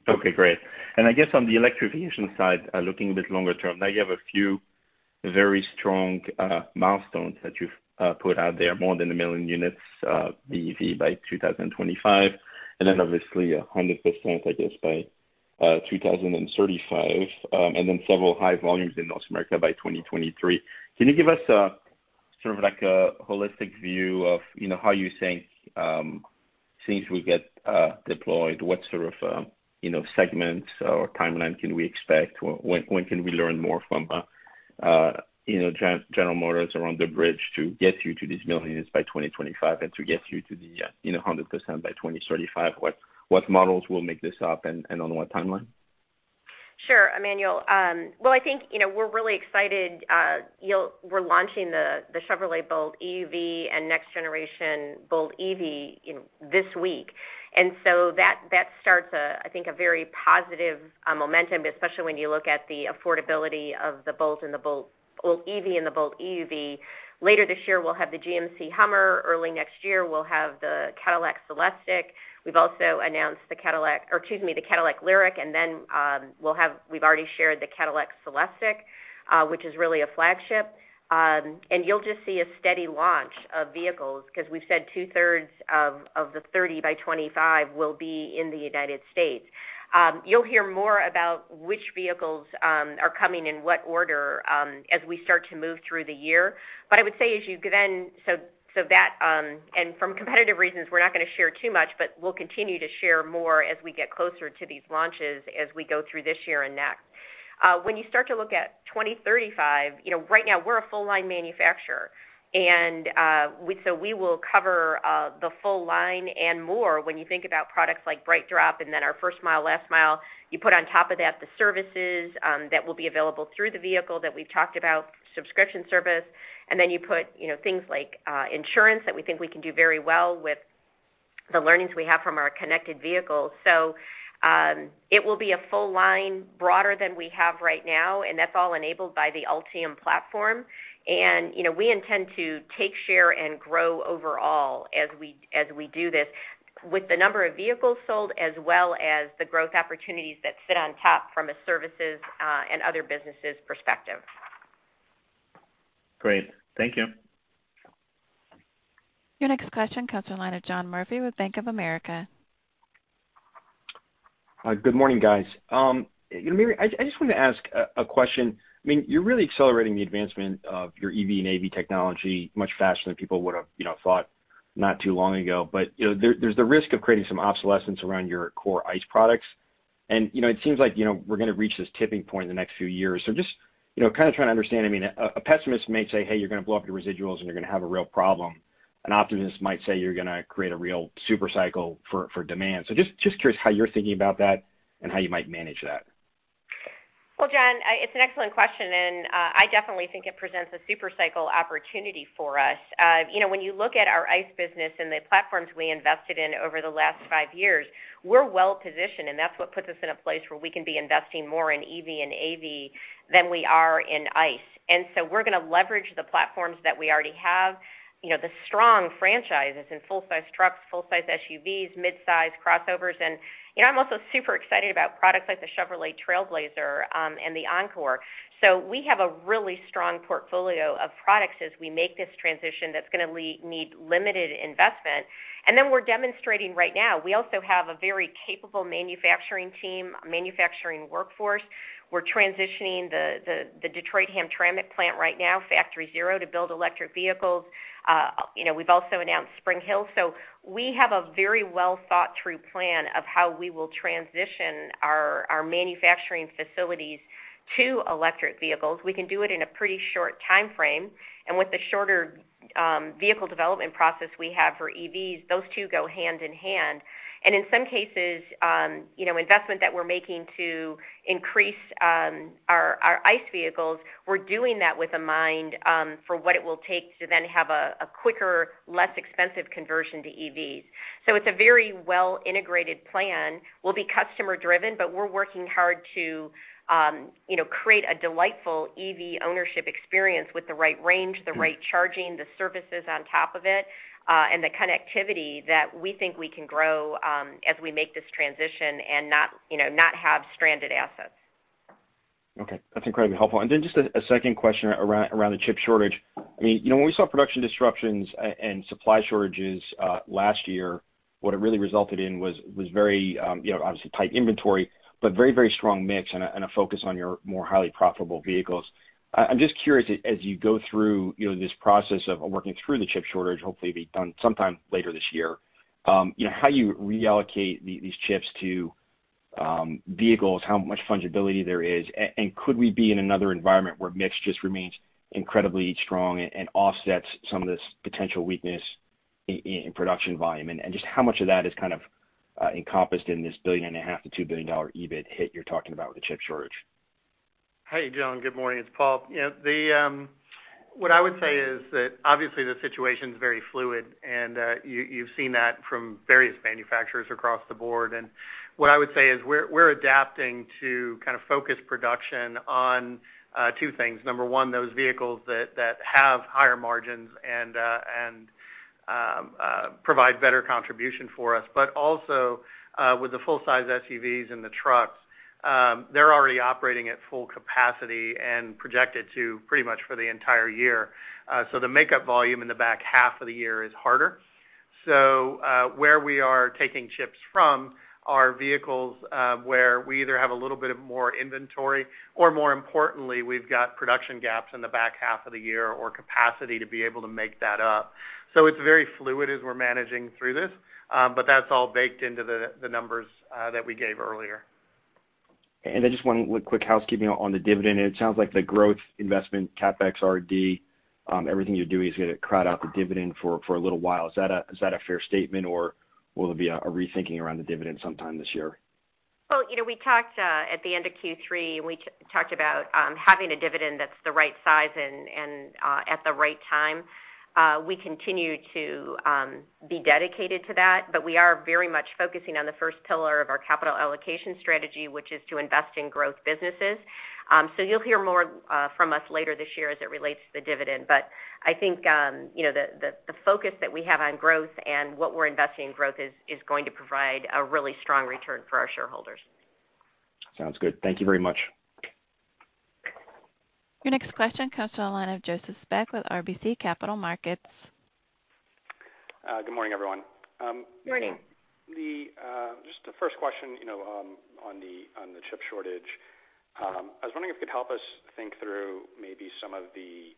Okay, great. I guess on the electrification side, looking a bit longer term, now you have a few very strong milestones that you've put out there, more than one million units BEV by 2025, and then obviously 100%, I guess, by 2035, and then several high volumes in North America by 2023. Can you give us sort of like a holistic view of how you think things will get deployed? What sort of segments or timeline can we expect? When can we learn more from General Motors around the bridge to get you to these one million units by 2025 and to get you to the 100% by 2035? What models will make this up, and on what timeline? Sure, Emmanuel. Well, I think, we're really excited. We're launching the Chevrolet Bolt EUV and next generation Bolt EV this week. That starts, I think, a very positive momentum, especially when you look at the affordability of the Bolt EV and the Bolt EUV. Later this year, we'll have the GMC HUMMER. Early next year, we'll have the Cadillac CELESTIQ. We've also announced the Cadillac LYRIQ, we've already shared the Cadillac CELESTIQ, which is really a flagship. You'll just see a steady launch of vehicles because we've said 2/3 of the 30 by 2025 will be in the United States. You'll hear more about which vehicles are coming in what order as we start to move through the year. I would say as you then, and from competitive reasons, we're not going to share too much, but we'll continue to share more as we get closer to these launches as we go through this year and next. When you start to look at 2035, right now we're a full-line manufacturer, and so we will cover the full line and more when you think about products like BrightDrop and then our first-mile, last-mile. You put on top of that the services that will be available through the vehicle that we've talked about, subscription service, and then you put things like insurance that we think we can do very well with the learnings we have from our connected vehicles. It will be a full line, broader than we have right now, and that's all enabled by the Ultium platform. We intend to take share and grow overall as we do this with the number of vehicles sold, as well as the growth opportunities that sit on top from a services and other businesses perspective. Great. Thank you. Your next question comes from the line of John Murphy with Bank of America. Good morning, guys. Mary, I just wanted to ask a question. You're really accelerating the advancement of your EV and AV technology much faster than people would have thought not too long ago. There's the risk of creating some obsolescence around your core ICE products. It seems like we're going to reach this tipping point in the next few years. Just kind of trying to understand, a pessimist may say, "Hey, you're going to blow up your residuals and you're going to have a real problem." An optimist might say, "You're going to create a real super cycle for demand." Just curious how you're thinking about that and how you might manage that. Well, John, it's an excellent question. I definitely think it presents a super cycle opportunity for us. When you look at our ICE business and the platforms we invested in over the last five years, we're well-positioned, and that's what puts us in a place where we can be investing more in EV and AV than we are in ICE. So we're going to leverage the platforms that we already have, the strong franchises in full-size trucks, full-size SUVs, mid-size crossovers. I'm also super excited about products like the Chevrolet Trailblazer and the Encore. We have a really strong portfolio of products as we make this transition that's going to need limited investment. Then we're demonstrating right now, we also have a very capable manufacturing team, manufacturing workforce. We're transitioning the Detroit-Hamtramck plant right now, Factory Zero, to build electric vehicles. We've also announced Spring Hill. We have a very well-thought-through plan of how we will transition our manufacturing facilities to electric vehicles. We can do it in a pretty short timeframe, and with the shorter vehicle development process we have for EVs, those two go hand in hand. In some cases, investment that we're making to increase our ICE vehicles, we're doing that with a mind for what it will take to then have a quicker, less expensive conversion to EVs. It's a very well-integrated plan. We'll be customer-driven, but we're working hard to create a delightful EV ownership experience with the right range, the right charging, the services on top of it, and the connectivity that we think we can grow, as we make this transition and not have stranded assets. Okay. That's incredibly helpful. Just a second question around the chip shortage. When we saw production disruptions and supply shortages last year, what it really resulted in was very, obviously tight inventory, but very strong mix and a focus on your more highly profitable vehicles. I'm just curious, as you go through this process of working through the chip shortage, hopefully be done sometime later this year, how you reallocate these chips to vehicles, how much fungibility there is, and could we be in another environment where mix just remains incredibly strong and offsets some of this potential weakness in production volume? Just how much of that is encompassed in this $1.5 billion-$2 billion EBIT hit you're talking about with the chip shortage? Hey, John. Good morning. It's Paul. What I would say is that obviously the situation's very fluid, and you've seen that from various manufacturers across the board. What I would say is we're adapting to kind of focus production on two things. Number one, those vehicles that have higher margins and provide better contribution for us, but also, with the full-size SUVs and the trucks, they're already operating at full capacity and projected to pretty much for the entire year. The makeup volume in the back half of the year is harder. Where we are taking chips from are vehicles where we either have a little bit of more inventory or, more importantly, we've got production gaps in the back half of the year or capacity to be able to make that up. It's very fluid as we're managing through this. That's all baked into the numbers that we gave earlier. Just one quick housekeeping on the dividend. It sounds like the growth investment, CapEx, R&D, everything you do is going to crowd out the dividend for a little while. Is that a fair statement, or will there be a rethinking around the dividend sometime this year? Well, we talked at the end of Q3, we talked about having a dividend that's the right size and at the right time. We continue to be dedicated to that, we are very much focusing on the first pillar of our capital allocation strategy, which is to invest in growth businesses. You'll hear more from us later this year as it relates to the dividend. I think the focus that we have on growth and what we're investing in growth is going to provide a really strong return for our shareholders. Sounds good. Thank you very much. Your next question comes to the line of Joseph Spak with RBC Capital Markets. Good morning, everyone. Good morning. Just the first question on the chip shortage. I was wondering if you could help us think through maybe some of the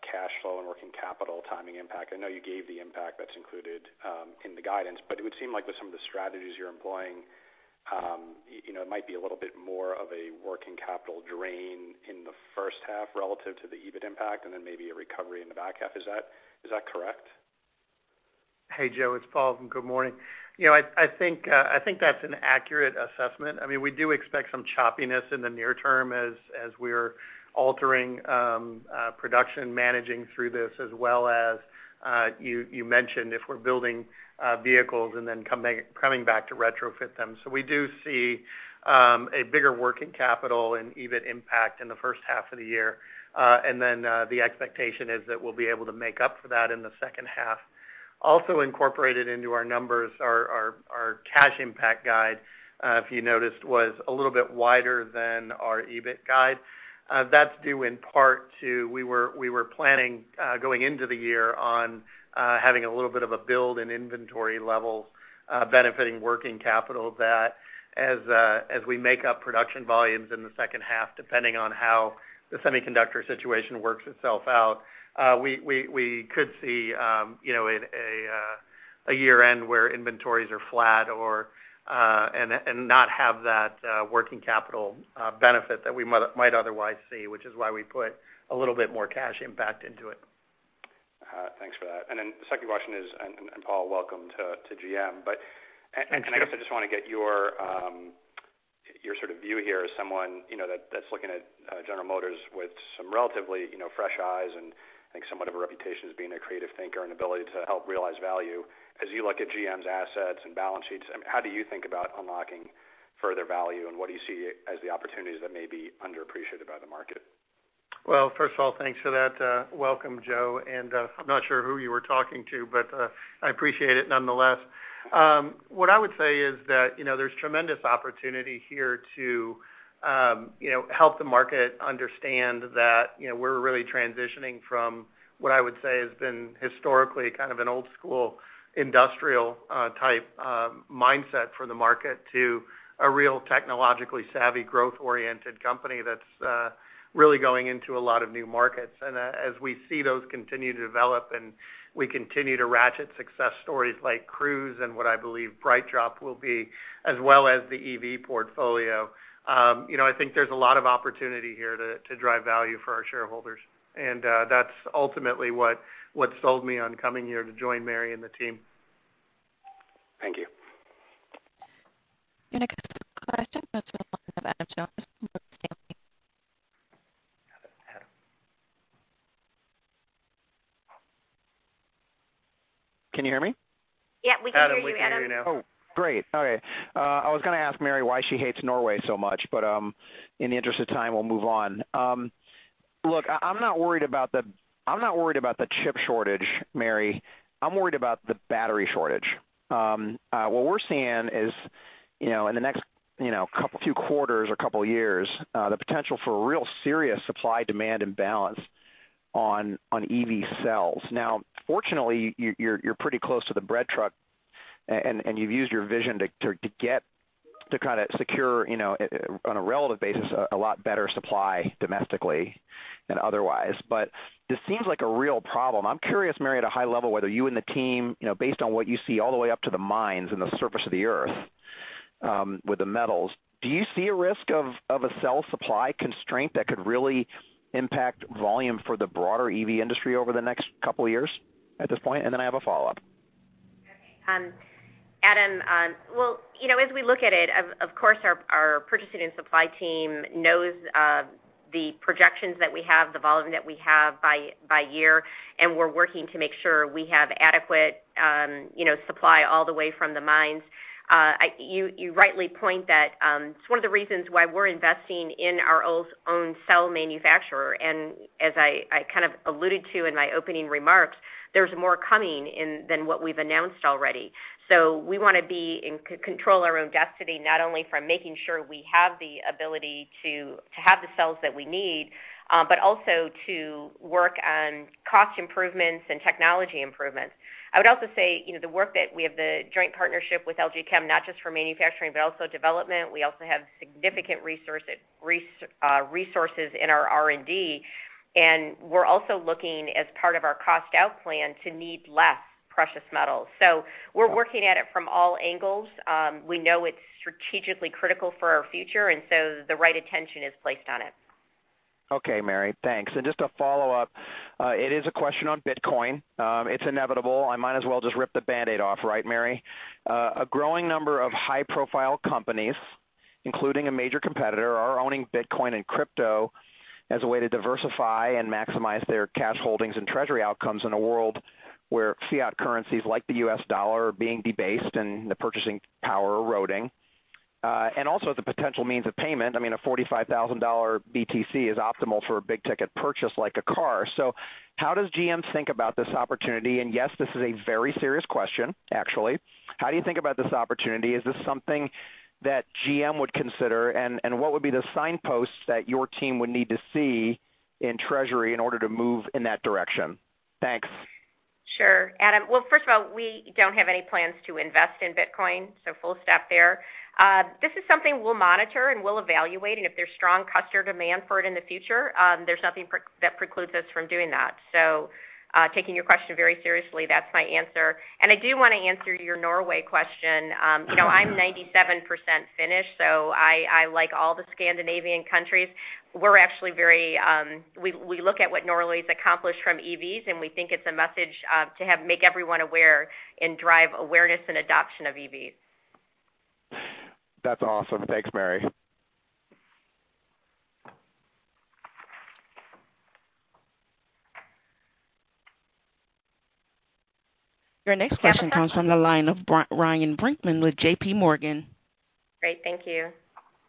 cash flow and working capital timing impact. I know you gave the impact that's included in the guidance. It would seem like with some of the strategies you're employing, it might be a little bit more of a working capital drain in the first half relative to the EBIT impact, and then maybe a recovery in the back half. Is that correct? Hey, Joe. It's Paul. Good morning. I think that's an accurate assessment. We do expect some choppiness in the near term as we're altering production, managing through this as well as, you mentioned, if we're building vehicles and then coming back to retrofit them. We do see a bigger working capital and EBIT impact in the first half of the year. The expectation is that we'll be able to make up for that in the second half. Also incorporated into our numbers, our cash impact guide, if you noticed, was a little bit wider than our EBIT guide. That's due in part to we were planning, going into the year on having a little bit of a build in inventory level, benefiting working capital that as we make up production volumes in the second half, depending on how the semiconductor situation works itself out, we could see a year-end where inventories are flat and not have that working capital benefit that we might otherwise see, which is why we put a little bit more cash impact into it. Thanks for that. The second question is, Paul, welcome to GM. Thank you. I guess I just want to get your view here as someone that's looking at General Motors with some relatively fresh eyes and I think somewhat of a reputation as being a creative thinker and ability to help realize value. As you look at GM's assets and balance sheets, how do you think about unlocking further value, and what do you see as the opportunities that may be underappreciated by the market? Well, first of all, thanks for that welcome, Joe, and I'm not sure who you were talking to, but I appreciate it nonetheless. What I would say is that there's tremendous opportunity here to help the market understand that we're really transitioning from what I would say has been historically kind of an old school industrial type mindset for the market to a real technologically savvy, growth-oriented company that's really going into a lot of new markets. As we see those continue to develop and we continue to ratchet success stories like Cruise and what I believe BrightDrop will be, as well as the EV portfolio, I think there's a lot of opportunity here to drive value for our shareholders. That's ultimately what sold me on coming here to join Mary and the team. Thank you. Next question is from the line of Adam Jonas from Morgan Stanley. Can you hear me? Yeah, we can hear you, Adam. Adam, we can hear you now. Oh, great. Okay. I was going to ask Mary why she hates Norway so much, but in the interest of time, we'll move on. Look, I'm not worried about the chip shortage, Mary. I'm worried about the battery shortage. What we're seeing is in the next few quarters or couple of years, the potential for a real serious supply-demand imbalance on EV cells. Fortunately, you're pretty close to the bread truck, and you've used your vision to get to kind of secure, on a relative basis, a lot better supply domestically than otherwise. This seems like a real problem. I'm curious, Mary, at a high level, whether you and the team, based on what you see all the way up to the mines and the surface of the Earth with the metals, do you see a risk of a cell supply constraint that could really impact volume for the broader EV industry over the next couple of years at this point? I have a follow-up. Adam, well, as we look at it, of course, our purchasing and supply team knows the projections that we have, the volume that we have by year, we're working to make sure we have adequate supply all the way from the mines. You rightly point that it's one of the reasons why we're investing in our own cell manufacturer. As I kind of alluded to in my opening remarks, there's more coming than what we've announced already. We want to be in control our own destiny, not only from making sure we have the ability to have the cells that we need, but also to work on cost improvements and technology improvements. I would also say, the work that we have the joint partnership with LG Chem, not just for manufacturing, but also development. We also have significant resources in our R&D. We're also looking as part of our cost-out plan to need less precious metals. We're working at it from all angles. We know it's strategically critical for our future, and so the right attention is placed on it. Okay, Mary. Thanks. Just a follow-up. It is a question on Bitcoin. It's inevitable. I might as well just rip the band-aid off, right, Mary? A growing number of high-profile companies, including a major competitor, are owning Bitcoin and crypto as a way to diversify and maximize their cash holdings and treasury outcomes in a world where fiat currencies like the U.S. dollar are being debased and the purchasing power eroding. Also the potential means of payment. I mean, a $45,000 BTC is optimal for a big-ticket purchase like a car. How does GM think about this opportunity? Yes, this is a very serious question, actually. How do you think about this opportunity? Is this something that GM would consider, and what would be the signposts that your team would need to see in treasury in order to move in that direction? Thanks. Sure. Adam, well, first of all, we don't have any plans to invest in Bitcoin, full stop there. This is something we'll monitor, and we'll evaluate, and if there's strong customer demand for it in the future, there's nothing that precludes us from doing that. Taking your question very seriously, that's my answer. I do want to answer your Norway question. I'm 97% Finnish, I like all the Scandinavian countries. We look at what Norway's accomplished from EVs, and we think it's a message to make everyone aware and drive awareness and adoption of EVs. That's awesome. Thanks, Mary. Your next question comes from the line of Ryan Brinkman with JPMorgan. Great. Thank you.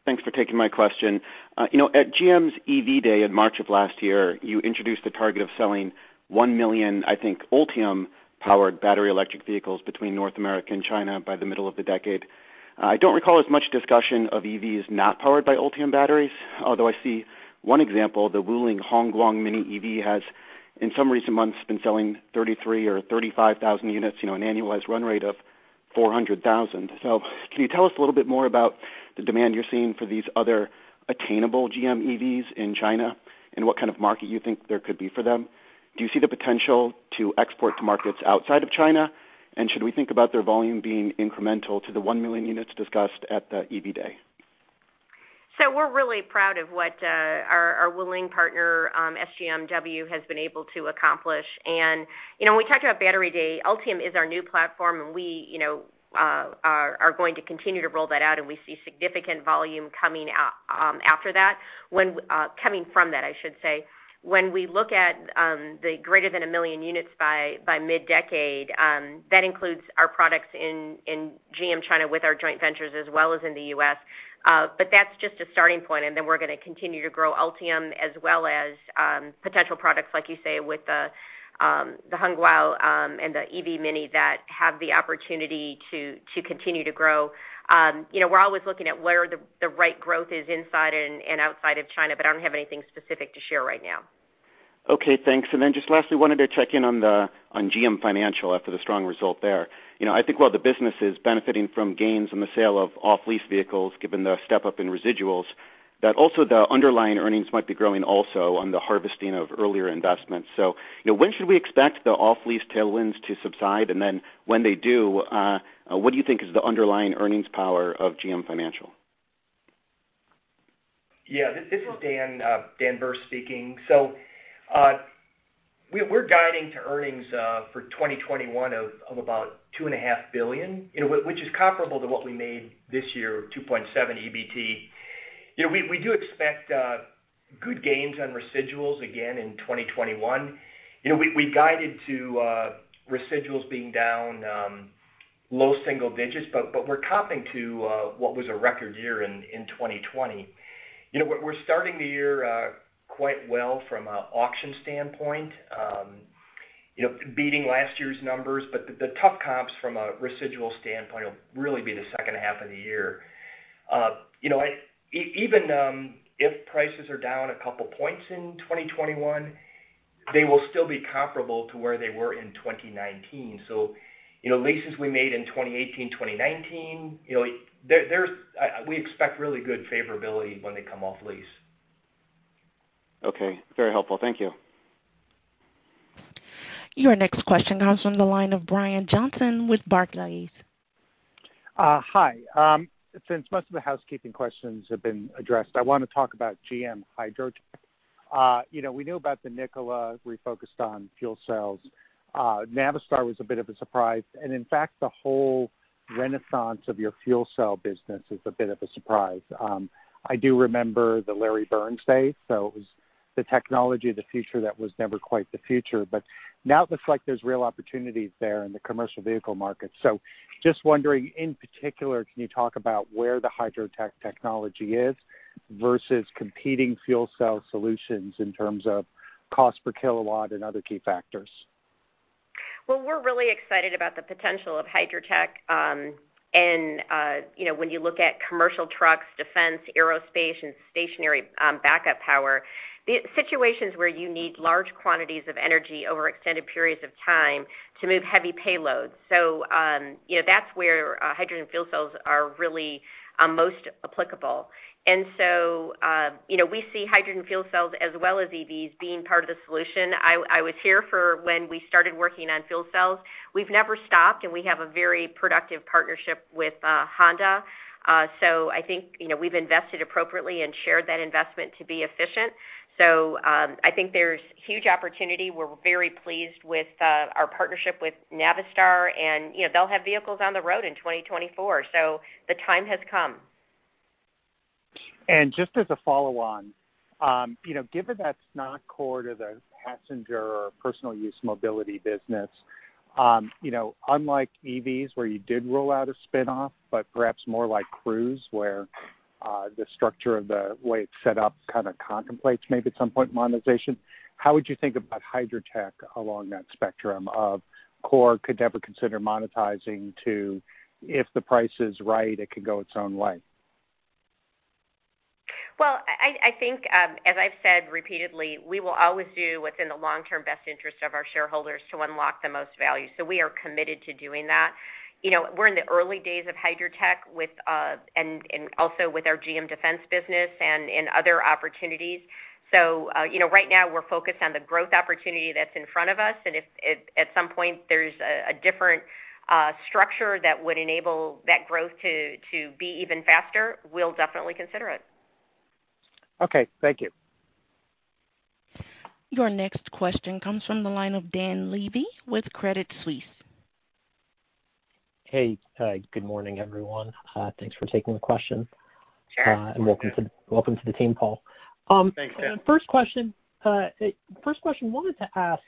Thanks for taking my question. At GM's EV Day in March of last year, you introduced a target of selling one million, I think, Ultium-powered battery electric vehicles between North America and China by the middle of the decade. I don't recall as much discussion of EVs not powered by Ultium batteries. Although I see one example, the Wuling Hongguang MINI EV has, in some recent months, been selling 33,000 or 35,000 units, an annualized run rate of 400,000. Can you tell us a little bit more about the demand you're seeing for these other attainable GM EVs in China and what kind of market you think there could be for them? Do you see the potential to export to markets outside of China, and should we think about their volume being incremental to the one million units discussed at the EV Day? We're really proud of what our Wuling partner, SGMW, has been able to accomplish. When we talk about EV Day, Ultium is our new platform, and we are going to continue to roll that out, and we see significant volume coming from that. When we look at the greater than one million units by mid-decade, that includes our products in GM China with our joint ventures as well as in the U.S., but that's just a starting point, and then we're going to continue to grow Ultium as well as potential products, like you say, with the Hongguang and the EV Mini that have the opportunity to continue to grow. We're always looking at where the right growth is inside and outside of China, but I don't have anything specific to share right now. Okay, thanks. Just lastly, wanted to check in on GM Financial after the strong result there. I think while the business is benefiting from gains on the sale of off-lease vehicles given the step-up in residuals, that also the underlying earnings might be growing also on the harvesting of earlier investments. When should we expect the off-lease tailwinds to subside? When they do, what do you think is the underlying earnings power of GM Financial? Yeah. This is Dan Berce speaking. We're guiding to earnings for 2021 of about $2.5 billion, which is comparable to what we made this year of $2.7 billion EBT. We do expect good gains on residuals again in 2021. We guided to residuals being down low single digits, but we're comping to what was a record year in 2020. We're starting the year quite well from an auction standpoint, beating last year's numbers, but the tough comps from a residual standpoint will really be the second half of the year. Even if prices are down a couple points in 2021, they will still be comparable to where they were in 2019. Leases we made in 2018, 2019, we expect really good favorability when they come off lease. Okay. Very helpful. Thank you. Your next question comes from the line of Brian Johnson with Barclays. Hi. Since most of the housekeeping questions have been addressed, I want to talk about GM HYDROTEC. We knew about the Nikola refocused on fuel cells. Navistar was a bit of a surprise. In fact, the whole renaissance of your fuel cell business is a bit of a surprise. I do remember the Larry Burns days, so it was the technology of the future that was never quite the future. Now it looks like there's real opportunities there in the commercial vehicle market. Just wondering, in particular, can you talk about where the HYDROTEC technology is versus competing fuel cell solutions in terms of cost per kilowatt and other key factors? Well, we're really excited about the potential of HYDROTEC. When you look at commercial trucks, defense, aerospace, and stationary backup power, the situations where you need large quantities of energy over extended periods of time to move heavy payloads. That's where hydrogen fuel cells are really most applicable. We see hydrogen fuel cells as well as EVs being part of the solution. I was here for when we started working on fuel cells. We've never stopped, and we have a very productive partnership with Honda. I think we've invested appropriately and shared that investment to be efficient. I think there's huge opportunity. We're very pleased with our partnership with Navistar, and they'll have vehicles on the road in 2024. The time has come. Just as a follow-on, given that's not core to the passenger or personal use mobility business, unlike EVs where you did roll out a spin-off, but perhaps more like Cruise, where the structure of the way it's set up kind of contemplates maybe at some point monetization, how would you think about HYDROTEC along that spectrum of core, could never consider monetizing, to if the price is right, it could go its own way? Well, I think, as I've said repeatedly, we will always do what's in the long-term best interest of our shareholders to unlock the most value. We are committed to doing that. We're in the early days of HYDROTEC, and also with our GM Defense business and in other opportunities. Right now we're focused on the growth opportunity that's in front of us, and if at some point there's a different structure that would enable that growth to be even faster, we'll definitely consider it. Okay. Thank you. Your next question comes from the line of Dan Levy with Credit Suisse. Hey. Good morning, everyone. Thanks for taking the question. Sure. Welcome to the team, Paul. Thanks, Dan. First question, I wanted to ask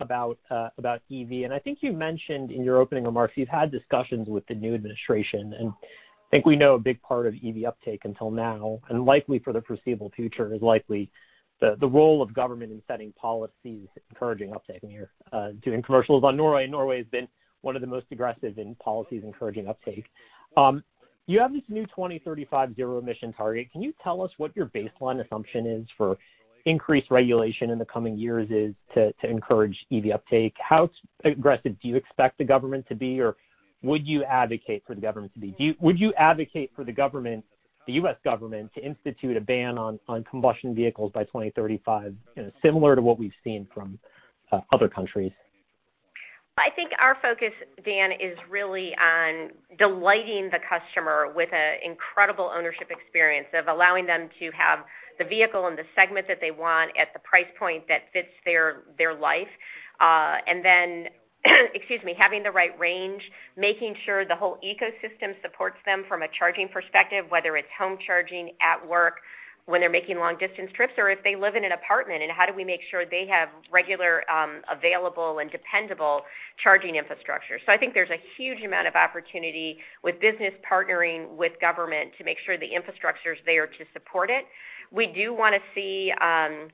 about EV. I think you mentioned in your opening remarks you've had discussions with the new administration. I think we know a big part of EV uptake until now, and likely for the foreseeable future, is likely the role of government in setting policy encouraging uptake. You're doing commercials on Norway, and Norway has been one of the most aggressive in policies encouraging uptake. You have this new 2035 zero emission target. Can you tell us what your baseline assumption is for increased regulation in the coming years is to encourage EV uptake? How aggressive do you expect the government to be, or would you advocate for the government to be? Would you advocate for the U.S. government to institute a ban on combustion vehicles by 2035, similar to what we've seen from other countries? I think our focus, Dan, is really on delighting the customer with an incredible ownership experience of allowing them to have the vehicle and the segment that they want at the price point that fits their life. Then, having the right range, making sure the whole ecosystem supports them from a charging perspective, whether it's home charging, at work, when they're making long-distance trips, or if they live in an apartment, and how do we make sure they have regular, available, and dependable charging infrastructure. I think there's a huge amount of opportunity with business partnering with government to make sure the infrastructure's there to support it. We do want to see the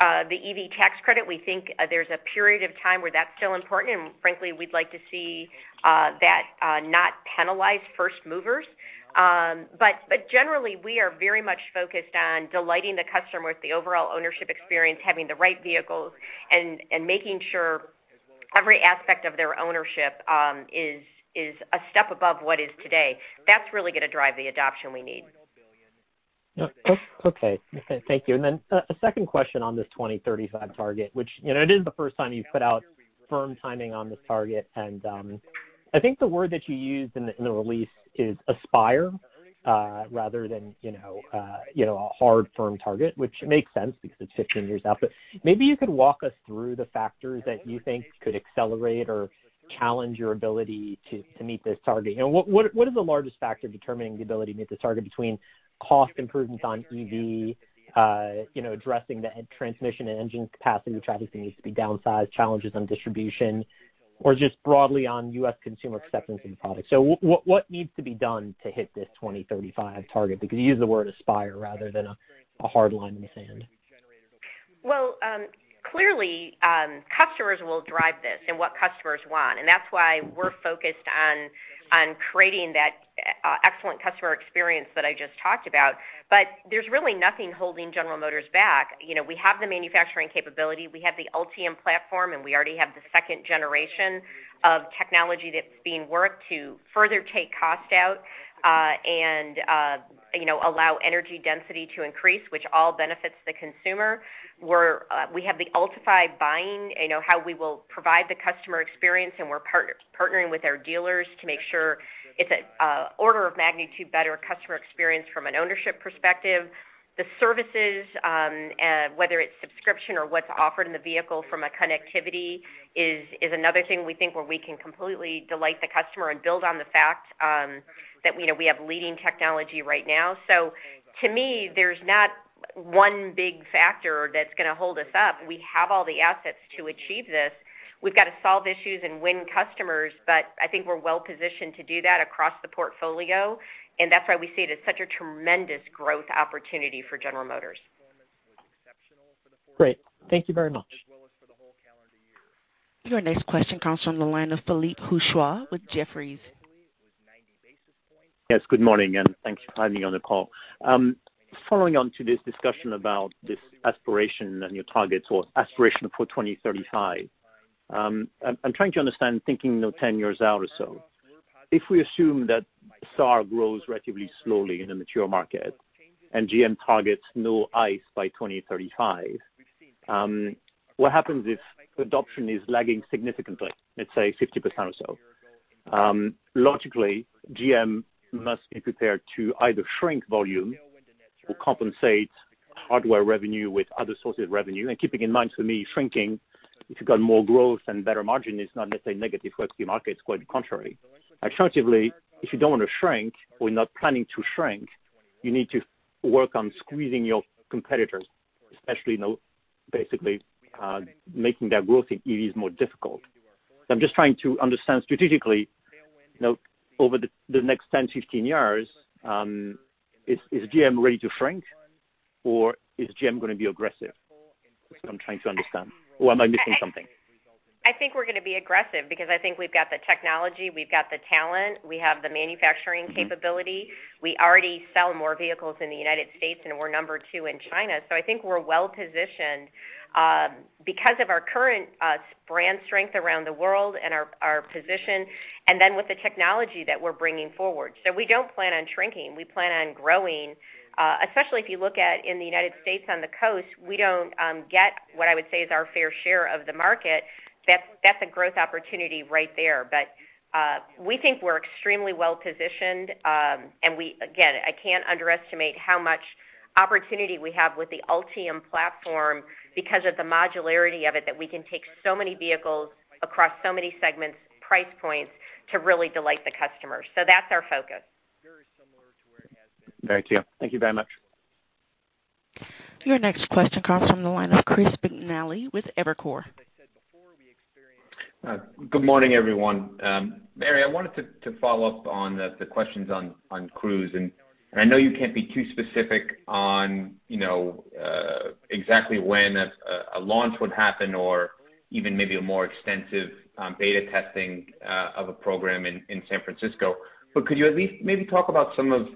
EV tax credit. We think there's a period of time where that's still important, frankly, we'd like to see that not penalize first movers. Generally, we are very much focused on delighting the customer with the overall ownership experience, having the right vehicles, and making sure every aspect of their ownership is a step above what is today. That's really going to drive the adoption we need. Okay. Thank you. A second question on this 2035 target, which it is the first time you've put out firm timing on this target. I think the word that you used in the release is aspire rather than a hard, firm target, which makes sense because it's 15 years out. Maybe you could walk us through the factors that you think could accelerate or challenge your ability to meet this target. What is the largest factor determining the ability to meet this target between cost improvements on EV, addressing the transmission and engine capacity, which obviously needs to be downsized, challenges on distribution, or just broadly on U.S. consumer acceptance of the product? What needs to be done to hit this 2035 target? Because you used the word aspire rather than a hard line in the sand. Well, clearly, customers will drive this and what customers want, and that's why we're focused on creating that excellent customer experience that I just talked about. There's really nothing holding General Motors back. We have the manufacturing capability, we have the Ultium platform, and we already have the second generation of technology that's being worked to further take cost out and allow energy density to increase, which all benefits the consumer. We have the Ultifi buying, how we will provide the customer experience, and we're partnering with our dealers to make sure it's an order-of-magnitude better customer experience from an ownership perspective. The services, whether it's subscription or what's offered in the vehicle from a connectivity is another thing we think where we can completely delight the customer and build on the fact that we have leading technology right now. To me, there's not one big factor that's going to hold us up. We have all the assets to achieve this. We've got to solve issues and win customers, but I think we're well-positioned to do that across the portfolio, and that's why we see it as such a tremendous growth opportunity for General Motors. Great. Thank you very much. Your next question comes from the line of Philippe Houchois with Jefferies. Yes, good morning, and thanks for having me on the call. Following on to this discussion about this aspiration and your targets or aspiration for 2035. I'm trying to understand, thinking 10 years out or so. If we assume that SAAR grows relatively slowly in a mature market and GM targets no ICE by 2035, what happens if adoption is lagging significantly, let's say 50% or so? Logically, GM must be prepared to either shrink volume or compensate hardware revenue with other sources of revenue. Keeping in mind, for me, shrinking, if you've got more growth and better margin, is not necessarily a negative for a few markets. Quite the contrary. Alternatively, if you don't want to shrink or you're not planning to shrink, you need to work on squeezing your competitors, especially basically making that growth in EVs more difficult. I'm just trying to understand strategically, over the next 10, 15 years, is GM ready to shrink, or is GM going to be aggressive? That's what I'm trying to understand. Am I missing something? I think we're going to be aggressive because I think we've got the technology, we've got the talent, we have the manufacturing capability. We already sell more vehicles in the U.S., and we're number two in China. I think we're well-positioned because of our current brand strength around the world and our position, and then with the technology that we're bringing forward. We don't plan on shrinking. We plan on growing. Especially if you look at in the U.S. on the coast, we don't get what I would say is our fair share of the market. That's a growth opportunity right there. We think we're extremely well-positioned. Again, I can't underestimate how much opportunity we have with the Ultium platform because of the modularity of it, that we can take so many vehicles across so many segments, price points to really delight the customers. That's our focus. Thank you. Thank you very much. Your next question comes from the line of Chris McNally with Evercore. Good morning, everyone. Mary, I wanted to follow up on the questions on Cruise. I know you can't be too specific on exactly when a launch would happen or even maybe a more extensive beta testing of a program in San Francisco. Could you at least maybe talk about some of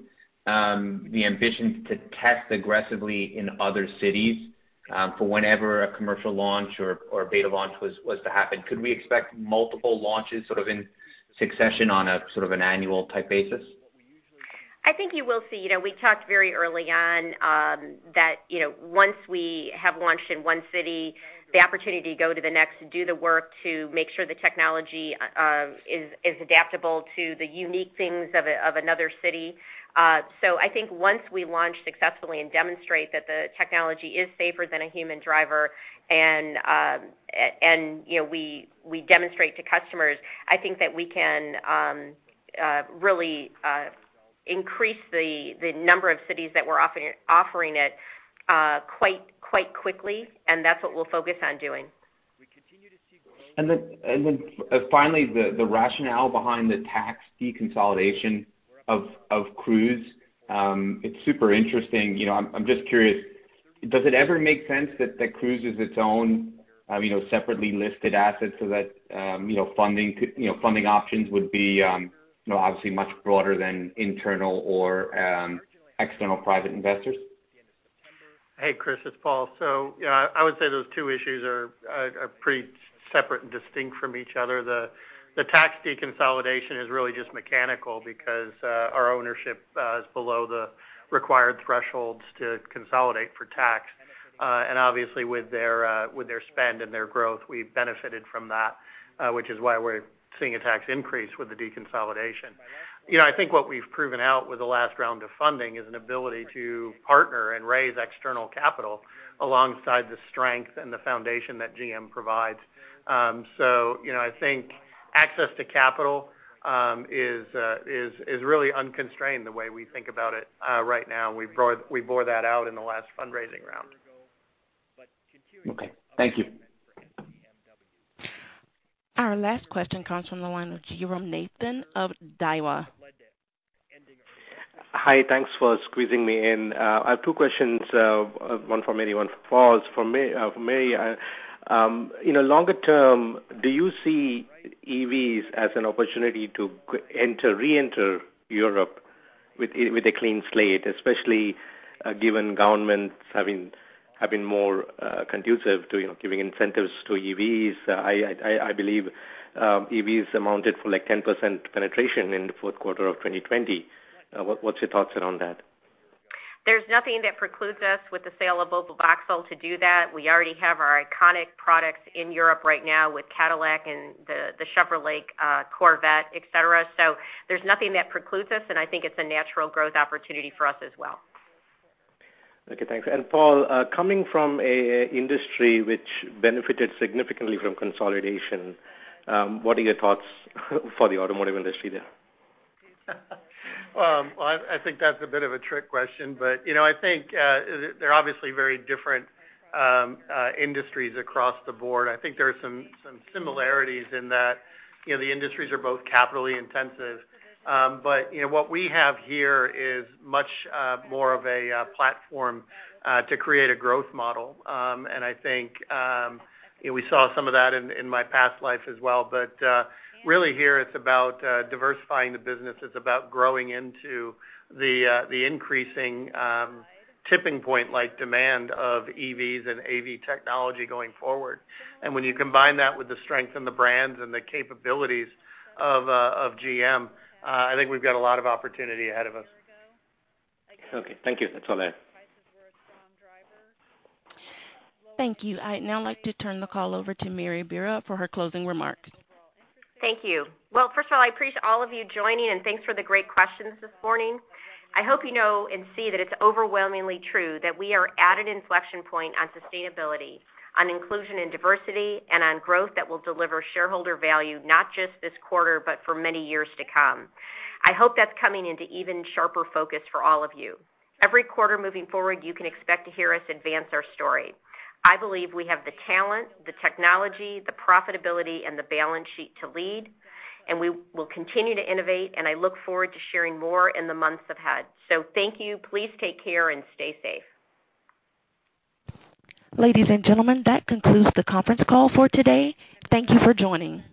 the ambitions to test aggressively in other cities for whenever a commercial launch or beta launch was to happen? Could we expect multiple launches sort of in succession on a sort of an annual type basis? I think you will see. We talked very early on that once we have launched in one city, the opportunity to go to the next, do the work to make sure the technology is adaptable to the unique things of another city. I think once we launch successfully and demonstrate that the technology is safer than a human driver, and we demonstrate to customers, I think that we can really increase the number of cities that we're offering it quite quickly, and that's what we'll focus on doing. Finally, the rationale behind the tax deconsolidation of Cruise. It's super interesting. I'm just curious, does it ever make sense that Cruise is its own separately listed asset so that funding options would be obviously much broader than internal or external private investors? Hey, Chris, it's Paul. I would say those two issues are pretty separate and distinct from each other. The tax deconsolidation is really just mechanical because our ownership is below the required thresholds to consolidate for tax. Obviously with their spend and their growth, we benefited from that, which is why we're seeing a tax increase with the deconsolidation. I think what we've proven out with the last round of funding is an ability to partner and raise external capital alongside the strength and the foundation that GM provides. I think access to capital is really unconstrained the way we think about it right now. We bore that out in the last fundraising round. Okay. Thank you. Our last question comes from the line of Jairam Nathan of Daiwa. Hi, thanks for squeezing me in. I have two questions, one for Mary, one for Paul. For Mary, in a longer term, do you see EVs as an opportunity to reenter Europe with a clean slate, especially given governments having more conducive to giving incentives to EVs? I believe EVs amounted for 10% penetration in the fourth quarter of 2020. What's your thoughts around that? There's nothing that precludes us with the sale of Opel/Vauxhall to do that. We already have our iconic products in Europe right now with Cadillac and the Chevrolet Corvette, et cetera. There's nothing that precludes us, and I think it's a natural growth opportunity for us as well. Okay, thanks. Paul, coming from an industry which benefited significantly from consolidation, what are your thoughts for the automotive industry there? Well, I think that's a bit of a trick question. I think they're obviously very different industries across the board. I think there are some similarities in that the industries are both capital intensive. What we have here is much more of a platform to create a growth model. I think we saw some of that in my past life as well. Really here it's about diversifying the business. It's about growing into the increasing tipping point-like demand of EVs and AV technology going forward. When you combine that with the strength in the brands and the capabilities of GM, I think we've got a lot of opportunity ahead of us. Okay, thank you. That's all there. Thank you. I'd now like to turn the call over to Mary Barra for her closing remarks. Thank you. First of all, I appreciate all of you joining, and thanks for the great questions this morning. I hope you know and see that it's overwhelmingly true that we are at an inflection point on sustainability, on inclusion and diversity, and on growth that will deliver shareholder value, not just this quarter, but for many years to come. I hope that's coming into even sharper focus for all of you. Every quarter moving forward, you can expect to hear us advance our story. I believe we have the talent, the technology, the profitability, and the balance sheet to lead, and we will continue to innovate, and I look forward to sharing more in the months ahead. Thank you. Please take care and stay safe. Ladies and gentlemen, that concludes the conference call for today. Thank you for joining.